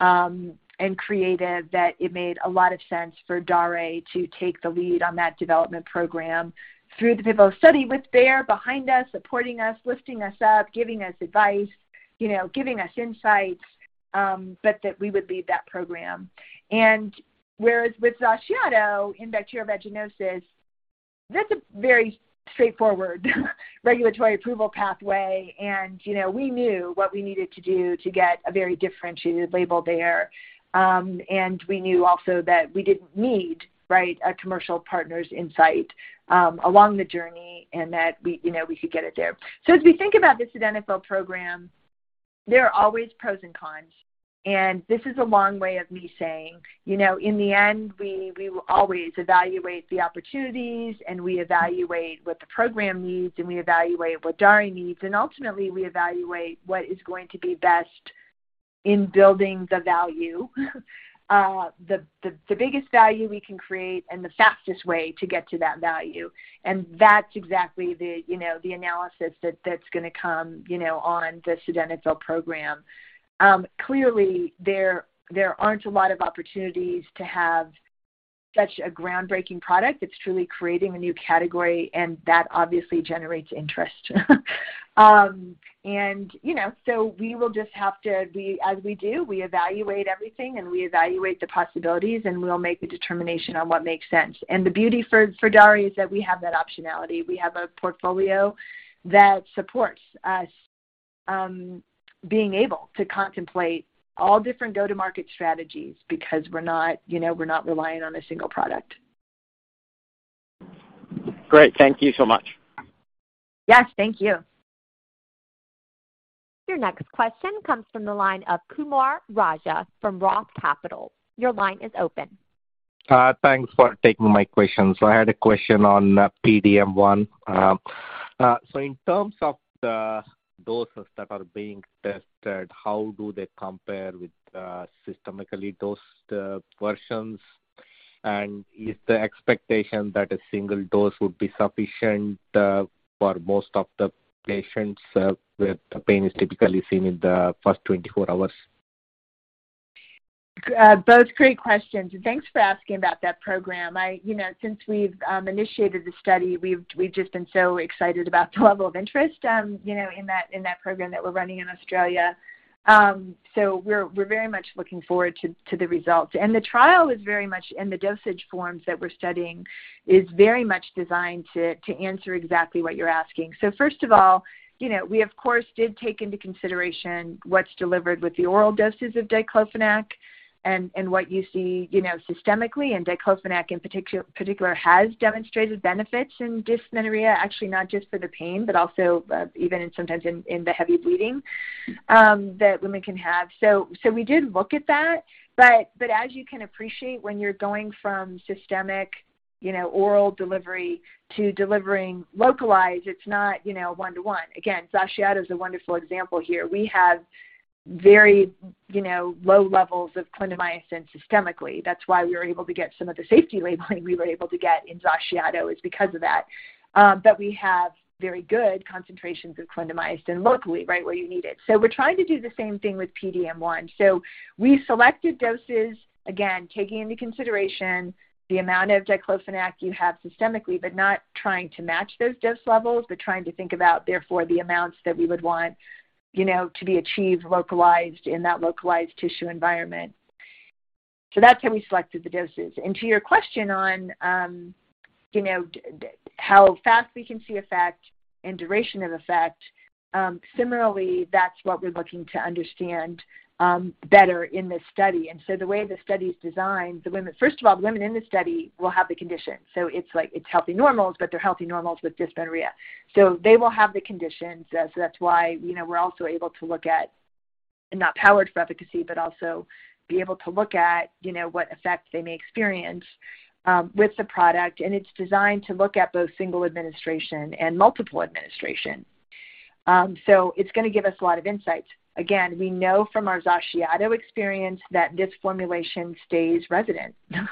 and creative, that it made a lot of sense for Daré to take the lead on that development program through the pivotal study with Bayer behind us, supporting us, lifting us up, giving us advice, you know, giving us insights, but that we would lead that program. Whereas with XACIATO in bacterial vaginosis, that's a very straightforward regulatory approval pathway. You know, we knew what we needed to do to get a very differentiated label there. We knew also that we didn't need, right, a commercial partner's insight, along the journey and that we, you know, we could get it there. As we think about the Sildenafil program, there are always pros and cons, and this is a long way of me saying, you know, in the end, we will always evaluate the opportunities, and we evaluate what the program needs, and we evaluate what Daré needs. Ultimately, we evaluate what is going to be best in building the value, the biggest value we can create and the fastest way to get to that value. That's exactly the, you know, the analysis that's gonna come, you know, on the Sildenafil program. Clearly, there aren't a lot of opportunities to have such a groundbreaking product. It's truly creating a new category, and that obviously generates interest. We, as we do, we evaluate everything, and we evaluate the possibilities, and we'll make a determination on what makes sense. The beauty for Daré is that we have that optionality. We have a portfolio that supports us, being able to contemplate all different go-to-market strategies because we're not, we're not relying on a single product. Great. Thank you so much. Yes. Thank you. Your next question comes from the line of Kumar Raja from ROTH Capital. Your line is open. Thanks for taking my question. I had a question on DARE-PDM1. In terms of the doses that are being tested, how do they compare with systemically dosed versions? Is the expectation that a single dose would be sufficient for most of the patients where the pain is typically seen in the first 24 hours? Both great questions. Thanks for asking about that program. You know, since we've initiated the study, we've just been so excited about the level of interest, you know, in that program that we're running in Australia. We're very much looking forward to the results. The dosage forms that we're studying is very much designed to answer exactly what you're asking. First of all, you know, we of course did take into consideration what's delivered with the oral doses of diclofenac and what you see, you know, systemically, diclofenac in particular has demonstrated benefits in dysmenorrhea, actually not just for the pain, but also even in sometimes in the heavy bleeding that women can have. We did look at that. As you can appreciate, when you're going from systemic, you know, oral delivery to delivering localized, it's not, you know, 1:1. Again, XACIATO is a wonderful example here. We have very, you know, low levels of clindamycin systemically. That's why we were able to get some of the safety labeling we were able to get in XACIATO is because of that. We have very good concentrations of clindamycin locally, right where you need it. We're trying to do the same thing with PDM1. We selected doses, again, taking into consideration the amount of diclofenac you have systemically, but not trying to match those dose levels, but trying to think about therefore the amounts that we would want, you know, to be achieved localized in that localized tissue environment. That's how we selected the doses. To your question on, you know, how fast we can see effect and duration of effect, similarly, that's what we're looking to understand better in this study. The way the study's designed, the women. First of all, the women in the study will have the condition. It's like it's healthy normals, but they're healthy normals with dysmenorrhea. They will have the conditions, so that's why, you know, we're also able to look at, and not powered for efficacy, but also be able to look at, you know, what effects they may experience with the product. It's designed to look at both single administration and multiple administration. It's gonna give us a lot of insights. Again, we know from our XACIATO experience that this formulation stays resident, you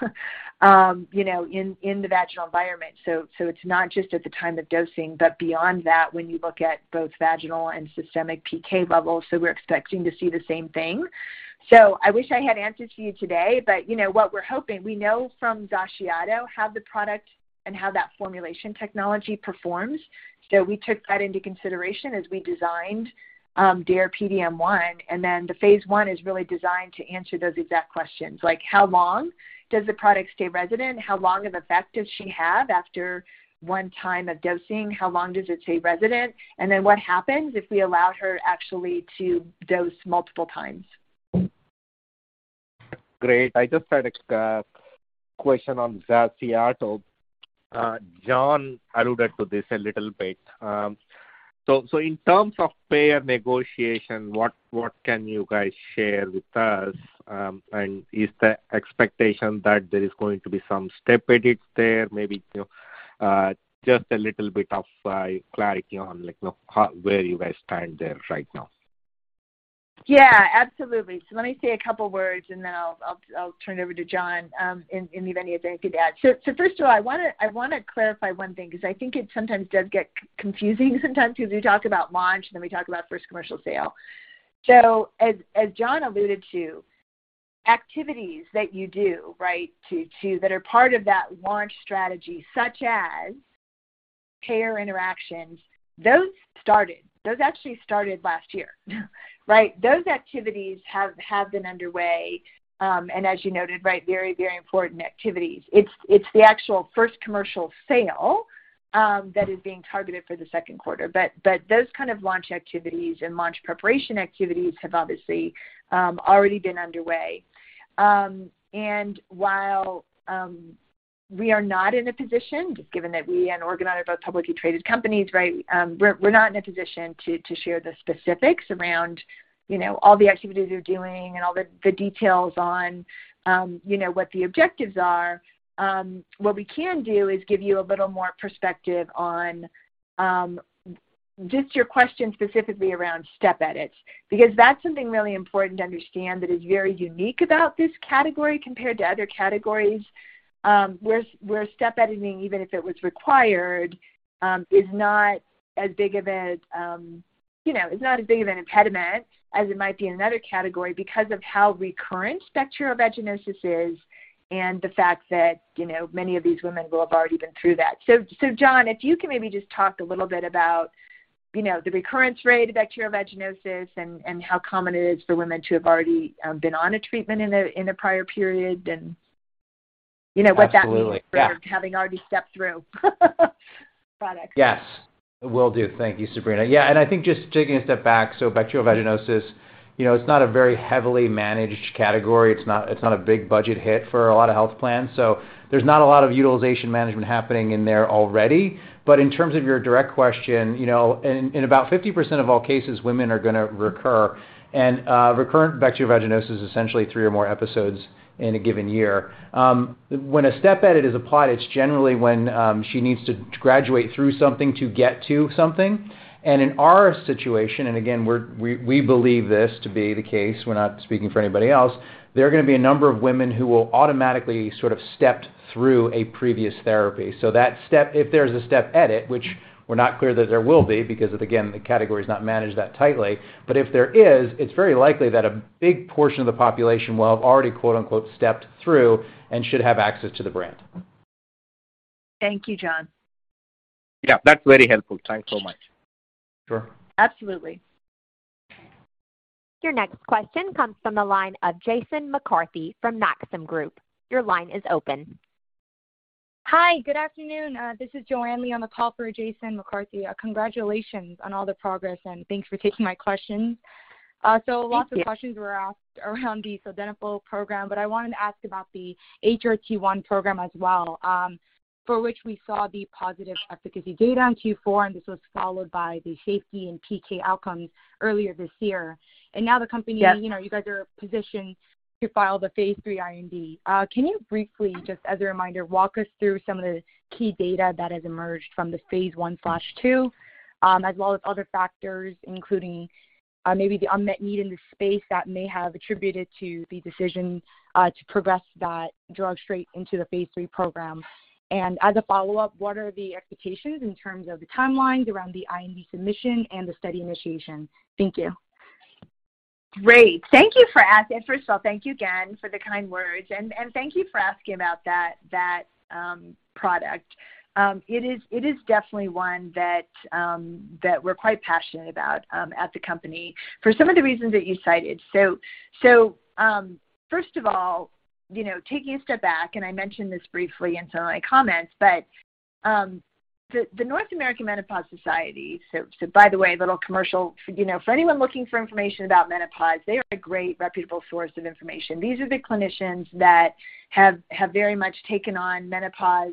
know, in the vaginal environment. It's not just at the time of dosing, but beyond that, when you look at both vaginal and systemic PK levels, we're expecting to see the same thing. I wish I had answers for you today, but, you know, what we're hoping, we know from XACIATO how the product and how that formulation technology performs. We took that into consideration as we designed DARE-PDM1, the phase I is really designed to answer those exact questions, like how long does the product stay resident? How long of effect does she have after one time of dosing? How long does it stay resident? What happens if we allow her actually to dose multiple times? Great. I just had a question on XACIATO. John alluded to this a little bit. So in terms of payer negotiation, what can you guys share with us? Is the expectation that there is going to be some step edits there, maybe, you know, just a little bit of clarity on like, you know, how where you guys stand there right now? Yeah, absolutely. Let me say a couple words, and then I'll turn it over to John, and he may have anything to add. First of all, I wanna clarify one thing because I think it sometimes does get confusing sometimes because we talk about launch, and then we talk about first commercial sale. As John alluded to, activities that you do, right, to that are part of that launch strategy, such as payer interactions, those started. Those actually started last year, right? Those activities have been underway, and as you noted, right, very important activities. It's the actual first commercial sale that is being targeted for the second quarter. Those kind of launch activities and launch preparation activities have obviously already been underway. While we are not in a position, just given that we and Organon are both publicly traded companies, right, we're not in a position to share the specifics around, you know, all the activities we're doing and all the details on, you know, what the objectives are. What we can do is give you a little more perspective on just your question specifically around step edits, because that's something really important to understand that is very unique about this category compared to other categories, where step editing, even if it was required, is not as big of a, you know, is not as big of an impediment as it might be in another category because of how recurrent bacterial vaginosis is and the fact that, you know, many of these women will have already been through that. John, if you can maybe just talk a little bit about, you know, the recurrence rate of bacterial vaginosis and how common it is for women to have already been on a treatment in a, in a prior period and, you know, what that means. Absolutely. Yeah. -for having already stepped through the product. Yes. Will do. Thank you, Sabrina. I think just taking a step back, bacterial vaginosis, you know, it's not a very heavily managed category. It's not a big budget hit for a lot of health plans, there's not a lot of utilization management happening in there already. In terms of your direct question, you know, in about 50% of all cases, women are gonna recur. Recurrent bacterial vaginosis, essentially three or more episodes in a given year. When a step edit is applied, it's generally when she needs to graduate through something to get to something. In our situation, and again, we believe this to be the case, we're not speaking for anybody else, there are gonna be a number of women who will automatically sort of stepped through a previous therapy. That step, if there's a step edit, which we're not clear that there will be because again, the category is not managed that tightly, but if there is, it's very likely that a big portion of the population will have already, quote-unquote, "stepped through" and should have access to the brand. Thank you, John. Yeah, that's very helpful. Thanks so much. Sure. Absolutely. Your next question comes from the line of Jason McCarthy from Maxim Group. Your line is open. Hi. Good afternoon. This is Joanne Lee on the call for Jason McCarthy. Congratulations on all the progress. Thanks for taking my questions. Thank you. Lots of questions were asked around the Sildenafil program. I wanted to ask about the HRT1 program as well, for which we saw the positive efficacy data in Q4, and this was followed by the safety and PK outcomes earlier this year. Yes. You know, you guys are positioned to file the phase III IND. Can you briefly, just as a reminder, walk us through some of the key data that has emerged from the phase I/II, as well as other factors, including maybe the unmet need in the space that may have attributed to the decision to progress that drug straight into the phase III program? As a follow-up, what are the expectations in terms of the timelines around the IND submission and the study initiation? Thank you. Great. Thank you for asking. First of all, thank you again for the kind words, and thank you for asking about that product. It is definitely one that we're quite passionate about at the company for some of the reasons that you cited. First of all, you know, taking a step back, I mentioned this briefly in some of my comments, The North American Menopause Society. By the way, a little commercial. You know, for anyone looking for information about menopause, they are a great reputable source of information. These are the clinicians that have very much taken on menopause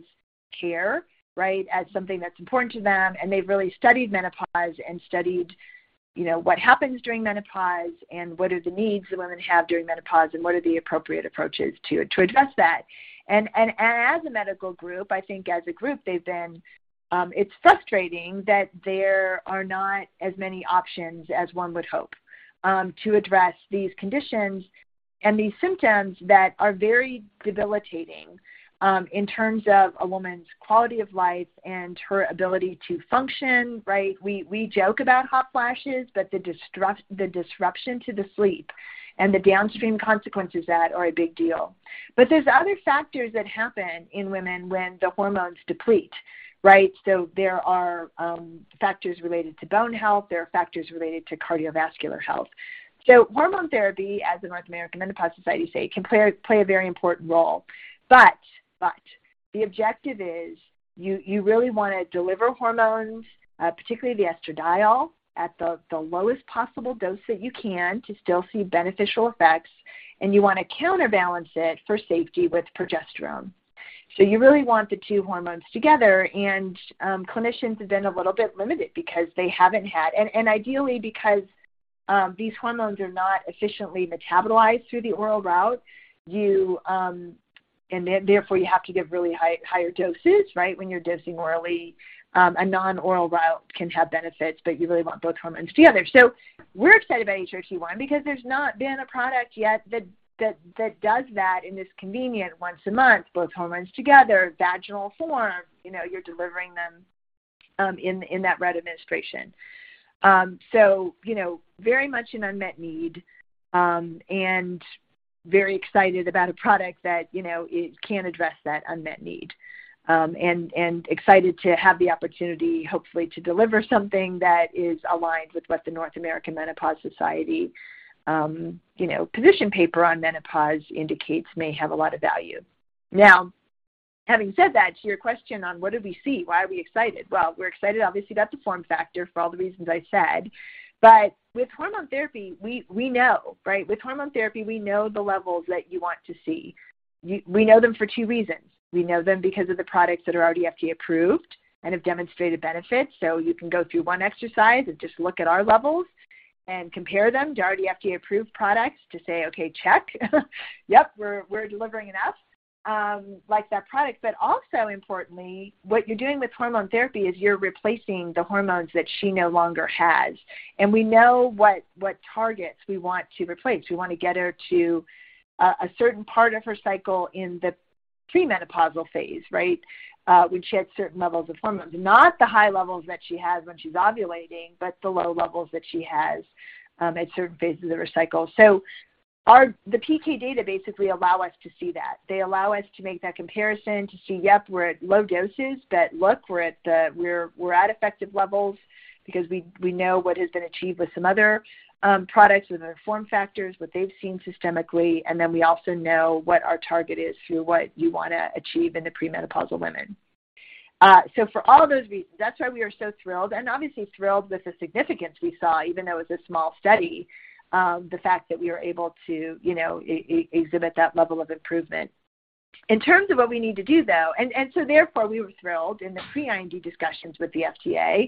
care, right? as something that's important to them, and they've really studied menopause and studied, you know, what happens during menopause and what are the needs that women have during menopause and what are the appropriate approaches to address that. As a medical group, I think as a group, they've been it's frustrating that there are not as many options as one would hope to address these conditions and these symptoms that are very debilitating in terms of a woman's quality of life and her ability to function, right? We joke about hot flashes, but the disruption to the sleep and the downstream consequences of that are a big deal. There's other factors that happen in women when the hormones deplete, right? There are factors related to bone health. There are factors related to cardiovascular health. Hormone therapy, as The North American Menopause Society say, can play a very important role. The objective is you really wanna deliver hormones, particularly the estradiol, at the lowest possible dose that you can to still see beneficial effects, and you wanna counterbalance it for safety with progesterone. You really want the two hormones together. Clinicians have been a little bit limited because they haven't had... Ideally because these hormones are not efficiently metabolized through the oral route, you, and therefore you have to give really higher doses, right, when you're dosing orally. A non-oral route can have benefits, but you really want both hormones together. We're excited about DARE-HRT1 because there's not been a product yet that does that in this convenient once a month, both hormones together, vaginal form. You know, you're delivering them in that route of administration. So, you know, very much an unmet need, and very excited about a product that, you know, it can address that unmet need. And, and excited to have the opportunity, hopefully, to deliver something that is aligned with what The North American Menopause Society, you know, position paper on menopause indicates may have a lot of value. Having said that, to your question on what do we see, why are we excited? We're excited obviously about the form factor for all the reasons I said. With hormone therapy, we know, right? With hormone therapy, we know the levels that you want to see. We know them for two reasons. We know them because of the products that are already FDA approved and have demonstrated benefits. You can go through one exercise and just look at our levels and compare them to already FDA-approved products to say, "Okay, check. Yep, we're delivering enough," like that product. Also importantly, what you're doing with hormone therapy is you're replacing the hormones that she no longer has. We know what targets we want to replace. We want to get her to a certain part of her cycle in the premenopausal phase, right, when she had certain levels of hormones. Not the high levels that she has when she's ovulating, but the low levels that she has at certain phases of her cycle. Our PK data basically allow us to see that. They allow us to make that comparison to see, yep, we're at low doses, but look, we're at effective levels because we know what has been achieved with some other products with their form factors, what they've seen systemically, and then we also know what our target is through what you wanna achieve in the premenopausal women. For all those reasons, that's why we are so thrilled and obviously thrilled with the significance we saw, even though it was a small study, the fact that we were able to, you know, exhibit that level of improvement. In terms of what we need to do, though, and so therefore, we were thrilled in the pre-IND discussions with the FDA, that,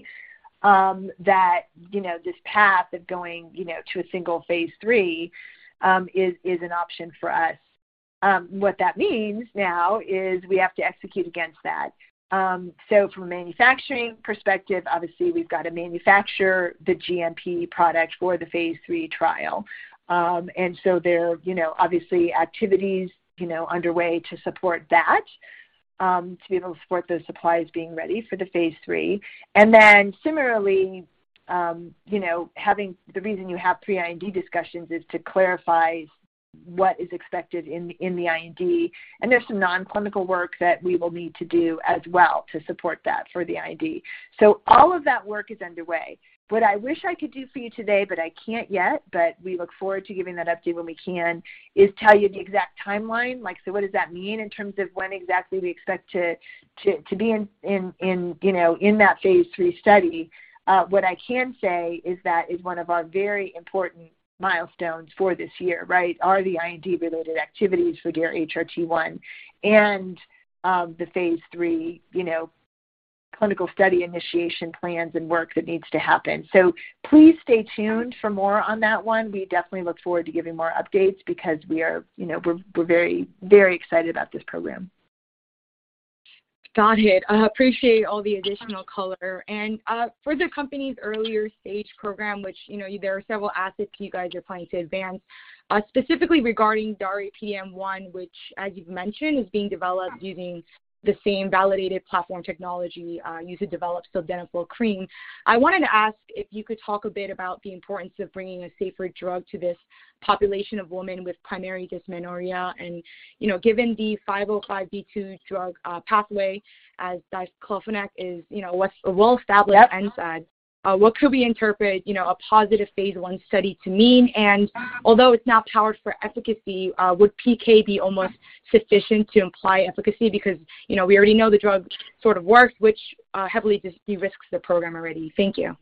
you know, this path of going, you know, to a single phase III, is an option for us. What that means now is we have to execute against that. From a manufacturing perspective, obviously we've got to manufacture the GMP product for the phase III trial. There are, you know, obviously activities, you know, underway to support that, to be able to support those supplies being ready for the phase III. Similarly, you know, the reason you have pre-IND discussions is to clarify what is expected in the IND, and there's some non-clinical work that we will need to do as well to support that for the IND. All of that work is underway. What I wish I could do for you today, but I can't yet, but we look forward to giving that update when we can, is tell you the exact timeline. Like, what does that mean in terms of when exactly we expect to be in, you know, in that phase III study? What I can say is that is one of our very important milestones for this year, right, are the IND-related activities for DARE-HRT1 and the phase III, you know, clinical study initiation plans and work that needs to happen. Please stay tuned for more on that one. We definitely look forward to giving more updates because we are, you know, we're very, very excited about this program. Got it. I appreciate all the additional color. For the company's earlier stage program, which, you know, there are several assets you guys are planning to advance, specifically regarding DARE-PDM1, which as you've mentioned, is being developed using the same validated platform technology, used to develop Sildenafil Cream. I wanted to ask if you could talk a bit about the importance of bringing a safer drug to this population of women with primary dysmenorrhea and, you know, given the 505(b)(2) drug pathway as diclofenac is, you know, what's a well-established NSAID. Yep. What could we interpret, you know, a positive phase I study to mean? Although it's not powered for efficacy, would PK be almost sufficient to imply efficacy? You know, we already know the drug sort of works, which heavily derisks the program already. Thank you.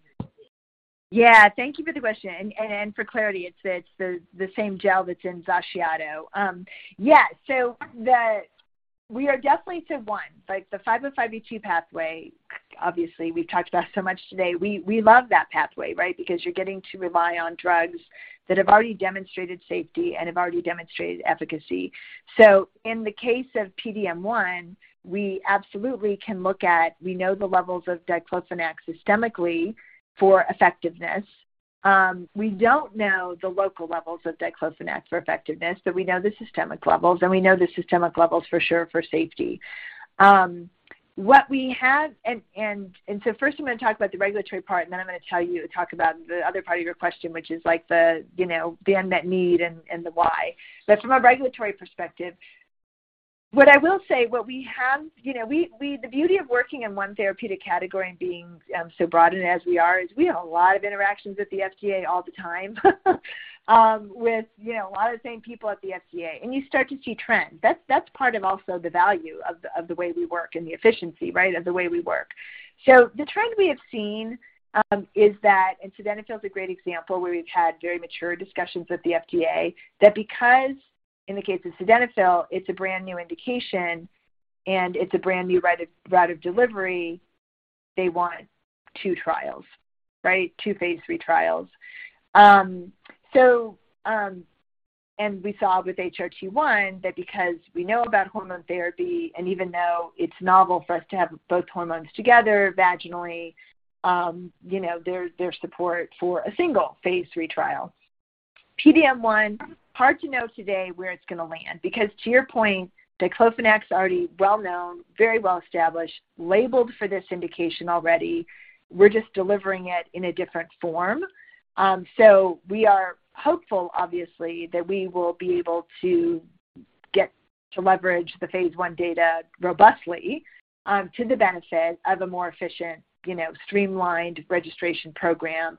Yeah. Thank you for the question. For clarity, it's the same gel that's in XACIATO. Yeah. We are definitely to one, like the 505(b)(2) pathway, obviously we've talked about so much today. We love that pathway, right? Because you're getting to rely on drugs that have already demonstrated safety and have already demonstrated efficacy. In the case of PDM1, we absolutely can look at, we know the levels of diclofenac systemically for effectiveness. We don't know the local levels of diclofenac for effectiveness, but we know the systemic levels, and we know the systemic levels for sure for safety. What we have, first I'm gonna talk about the regulatory part, and then I'm gonna talk about the other part of your question, which is like the, you know, the unmet need and the why. From a regulatory perspective, what I will say, what we have, you know, the beauty of working in one therapeutic category and being so broad in it as we are, is we have a lot of interactions with the FDA all the time, with, you know, a lot of the same people at the FDA, and you start to see trends. That's part of also the value of the, of the way we work and the efficiency, right, of the way we work. The trend we have seen is that, and Sildenafil is a great example where we've had very mature discussions with the FDA that because in the case of Sildenafil, it's a brand-new indication and it's a brand-new route of delivery, they want two trials, right? Two phase III trials. We saw with DARE-HRT1 that because we know about hormone therapy and even though it's novel for us to have both hormones together vaginally, you know, there's support for a single phase III trial. DARE-PDM1, hard to know today where it's going to land because to your point, diclofenac's already well-known, very well-established, labeled for this indication already. We're just delivering it in a different form. We are hopeful obviously that we will be able to get to leverage the phase I data robustly to the benefit of a more efficient, you know, streamlined registration program.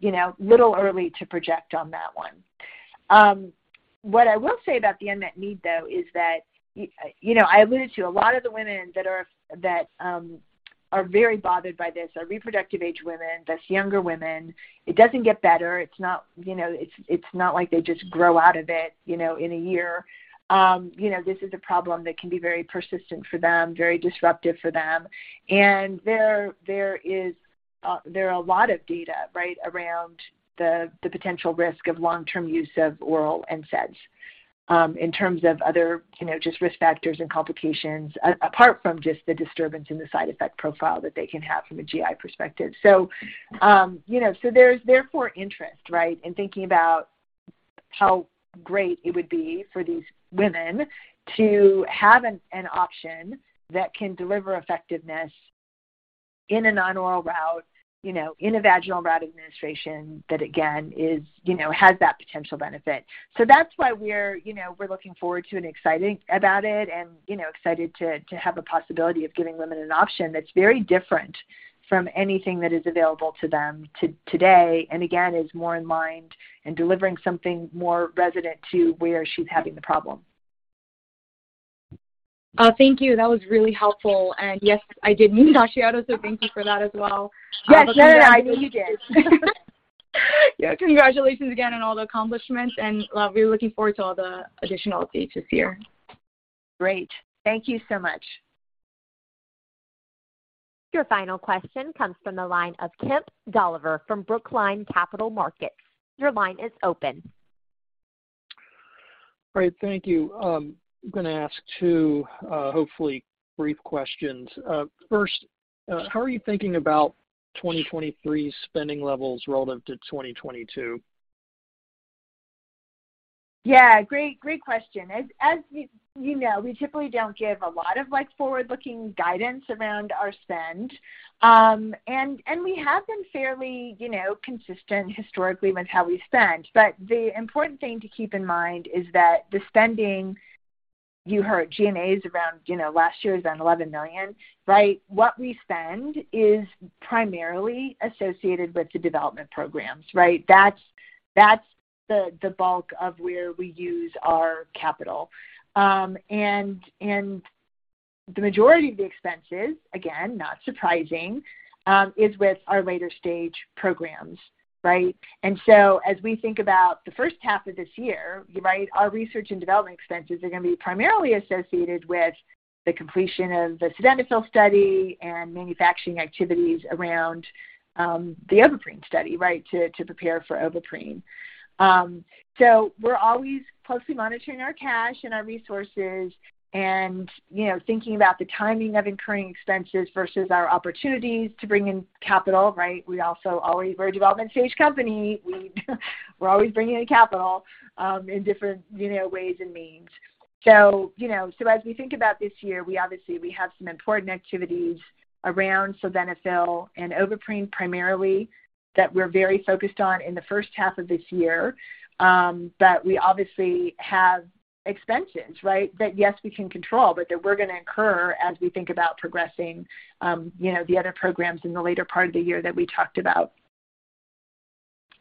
You know, little early to project on that one. What I will say about the unmet need though is that, you know, I alluded to a lot of the women that are very bothered by this are reproductive age women, that's younger women. It doesn't get better. It's not, you know, it's not like they just grow out of it, you know, in a year. You know, this is a problem that can be very persistent for them, very disruptive for them. There, there is, there are a lot of data, right, around the potential risk of long-term use of oral NSAIDs, in terms of other, you know, just risk factors and complications apart from just the disturbance in the side effect profile that they can have from a GI perspective. You know, there's therefore interest, right, in thinking about how great it would be for these women to have an option that can deliver effectiveness in a non-oral route, you know, in a vaginal route administration that again, is, you know, has that potential benefit. That's why we're, you know, we're looking forward to and excited about it and, you know, excited to have a possibility of giving women an option that's very different from anything that is available to them today, and again, is more in mind in delivering something more resident to where she's having the problem. Thank you. That was really helpful. Yes, I did mean XACIATO. Thank you for that as well. Yes. Yeah, I know you did. Yeah. Congratulations again on all the accomplishments, and we're looking forward to all the additional updates this year. Great. Thank you so much. Your final question comes from the line of Kemp Dolliver from Brookline Capital Markets. Your line is open. Great. Thank you. I'm gonna ask two, hopefully brief questions. first, how are you thinking about 2023 spending levels relative to 2022? Yeah, great question. As you know, we typically don't give a lot of like, forward-looking guidance around our spend. And we have been fairly, you know, consistent historically with how we spend. The important thing to keep in mind is that the spending you heard G&As around, you know, last year was around $11 million, right? What we spend is primarily associated with the development programs, right? That's the bulk of where we use our capital. And the majority of the expenses, again, not surprising, is with our later-stage programs, right? As we think about the first half of this year, right, our research and development expenses are gonna be primarily associated with the completion of the Sildenafil study and manufacturing activities around the Ovaprene study, right, to prepare for Ovaprene. We're always closely monitoring our cash and our resources and, you know, thinking about the timing of incurring expenses versus our opportunities to bring in capital, right? We're always a development stage company. We're always bringing in capital in different, you know, ways and means. As we think about this year, we obviously we have some important activities around Sildenafil and Ovaprene primarily that we're very focused on in the first half of this year. We obviously have expenses, right, that, yes, we can control, but that we're gonna incur as we think about progressing, you know, the other programs in the later part of the year that we talked about.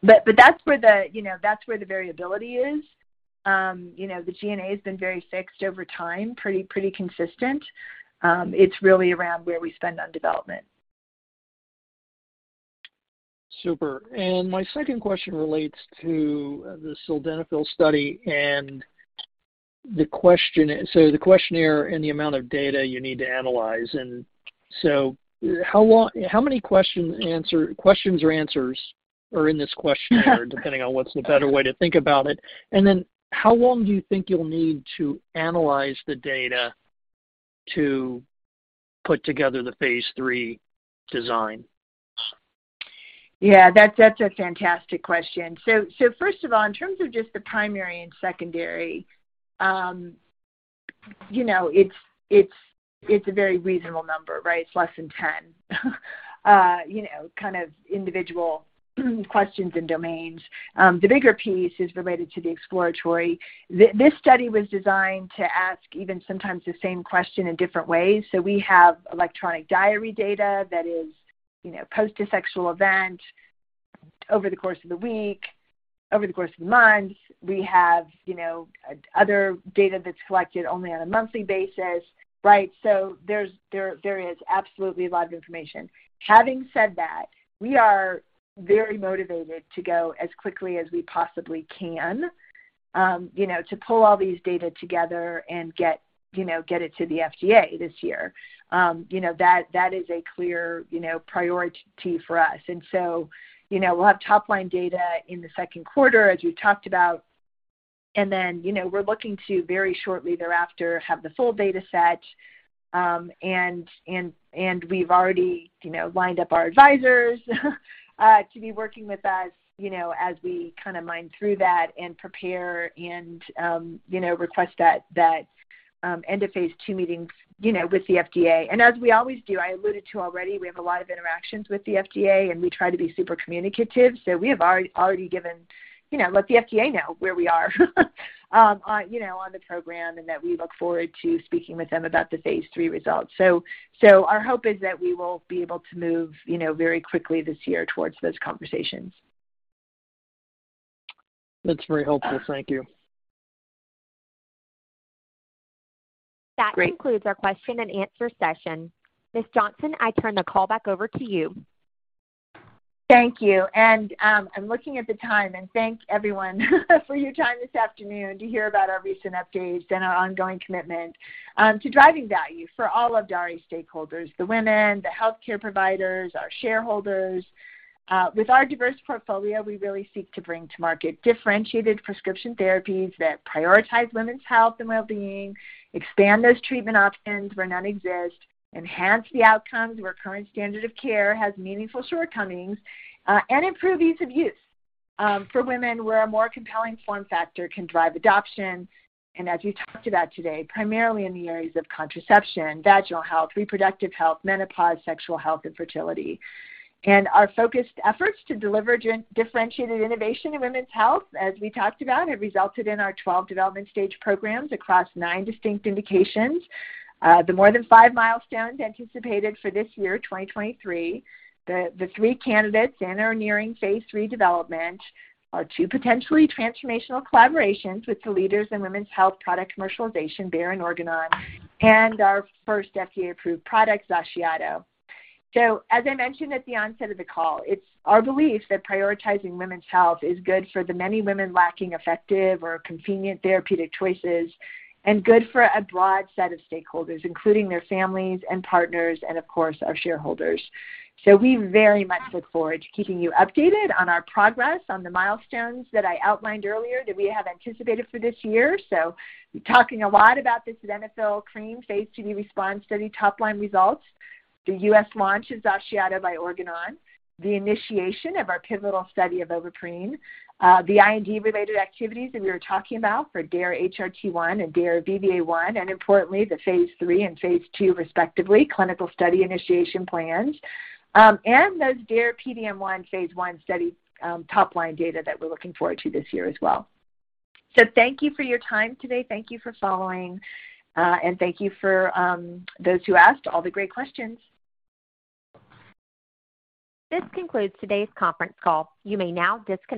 That's where the, you know, that's where the variability is. You know, the G&A has been very fixed over time, pretty consistent. It's really around where we spend on development. Super. My second question relates to the sildenafil study and the question, so the questionnaire and the amount of data you need to analyze. How long, how many question, answer, questions or answers are in this questionnaire, depending on what's the better way to think about it? How long do you think you'll need to analyze the data to put together the phase III design? Yeah, that's a fantastic question. First of all, in terms of just the primary and secondary, you know, it's a very reasonable number, right? It's less than 10, you know, kind of individual questions and domains. The bigger piece is related to the exploratory. This study was designed to ask even sometimes the same question in different ways. We have electronic diary data that is, you know, post a sexual event over the course of the week, over the course of the month. We have, you know, other data that's collected only on a monthly basis, right? There's, there is absolutely a lot of information. Having said that, we are very motivated to go as quickly as we possibly can, you know, to pull all these data together and get, you know, get it to the FDA this year. You know, that is a clear, you know, priority for us. So, you know, we'll have top-line data in the second quarter, as we talked about. Then, you know, we're looking to very shortly thereafter have the full data set. We've already, you know, lined up our advisors, to be working with us, you know, as we kinda mine through that and prepare and, you know, request that, end of phase II meetings, you know, with the FDA. As we always do, I alluded to already, we have a lot of interactions with the FDA, and we try to be super communicative. We have already given, you know, let the FDA know where we are, on, you know, on the program and that we look forward to speaking with them about the phase III results. Our hope is that we will be able to move, you know, very quickly this year towards those conversations. That's very helpful. Thank you. That concludes our question-and-answer session. Ms. Johnson, I turn the call back over to you. Thank you. I'm looking at the time, thank everyone for your time this afternoon to hear about our recent updates and our ongoing commitment to driving value for all of DARE stakeholders, the women, the healthcare providers, our shareholders. With our diverse portfolio, we really seek to bring to market differentiated prescription therapies that prioritize women's health and well-being, expand those treatment options where none exist, enhance the outcomes where current standard of care has meaningful shortcomings, and improve ease of use for women where a more compelling form factor can drive adoption, and as we talked about today, primarily in the areas of contraception, vaginal health, reproductive health, menopause, sexual health, and fertility. Our focused efforts to deliver gen-differentiated innovation in women's health, as we talked about, have resulted in our 12 development stage programs across nine distinct indications. The more than five milestones anticipated for this year, 2023, the three candidates and are nearing phase III development, our two potentially transformational collaborations with the leaders in women's health product commercialization, Bayer and Organon, and our first FDA-approved product, XACIATO. As I mentioned at the onset of the call, it's our belief that prioritizing women's health is good for the many women lacking effective or convenient therapeutic choices and good for a broad set of stakeholders, including their families and partners and, of course, our shareholders. We very much look forward to keeping you updated on our progress on the milestones that I outlined earlier that we have anticipated for this year. Talking a lot about the Sildenafil Cream, 3.6% phase II RESPOND study top-line results, the U.S. launch of XACIATO by Organon, the initiation of our pivotal study of Ovaprene, the IND-related activities that we were talking about for DARE-HRT1 and DARE-VVA1, and importantly, the phase III and phase II, respectively, clinical study initiation plans, and those DARE-PDM1 phase I study top-line data that we're looking forward to this year as well. Thank you for your time today. Thank you for following, and thank you for those who asked all the great questions. This concludes today's conference call. You may now disconnect.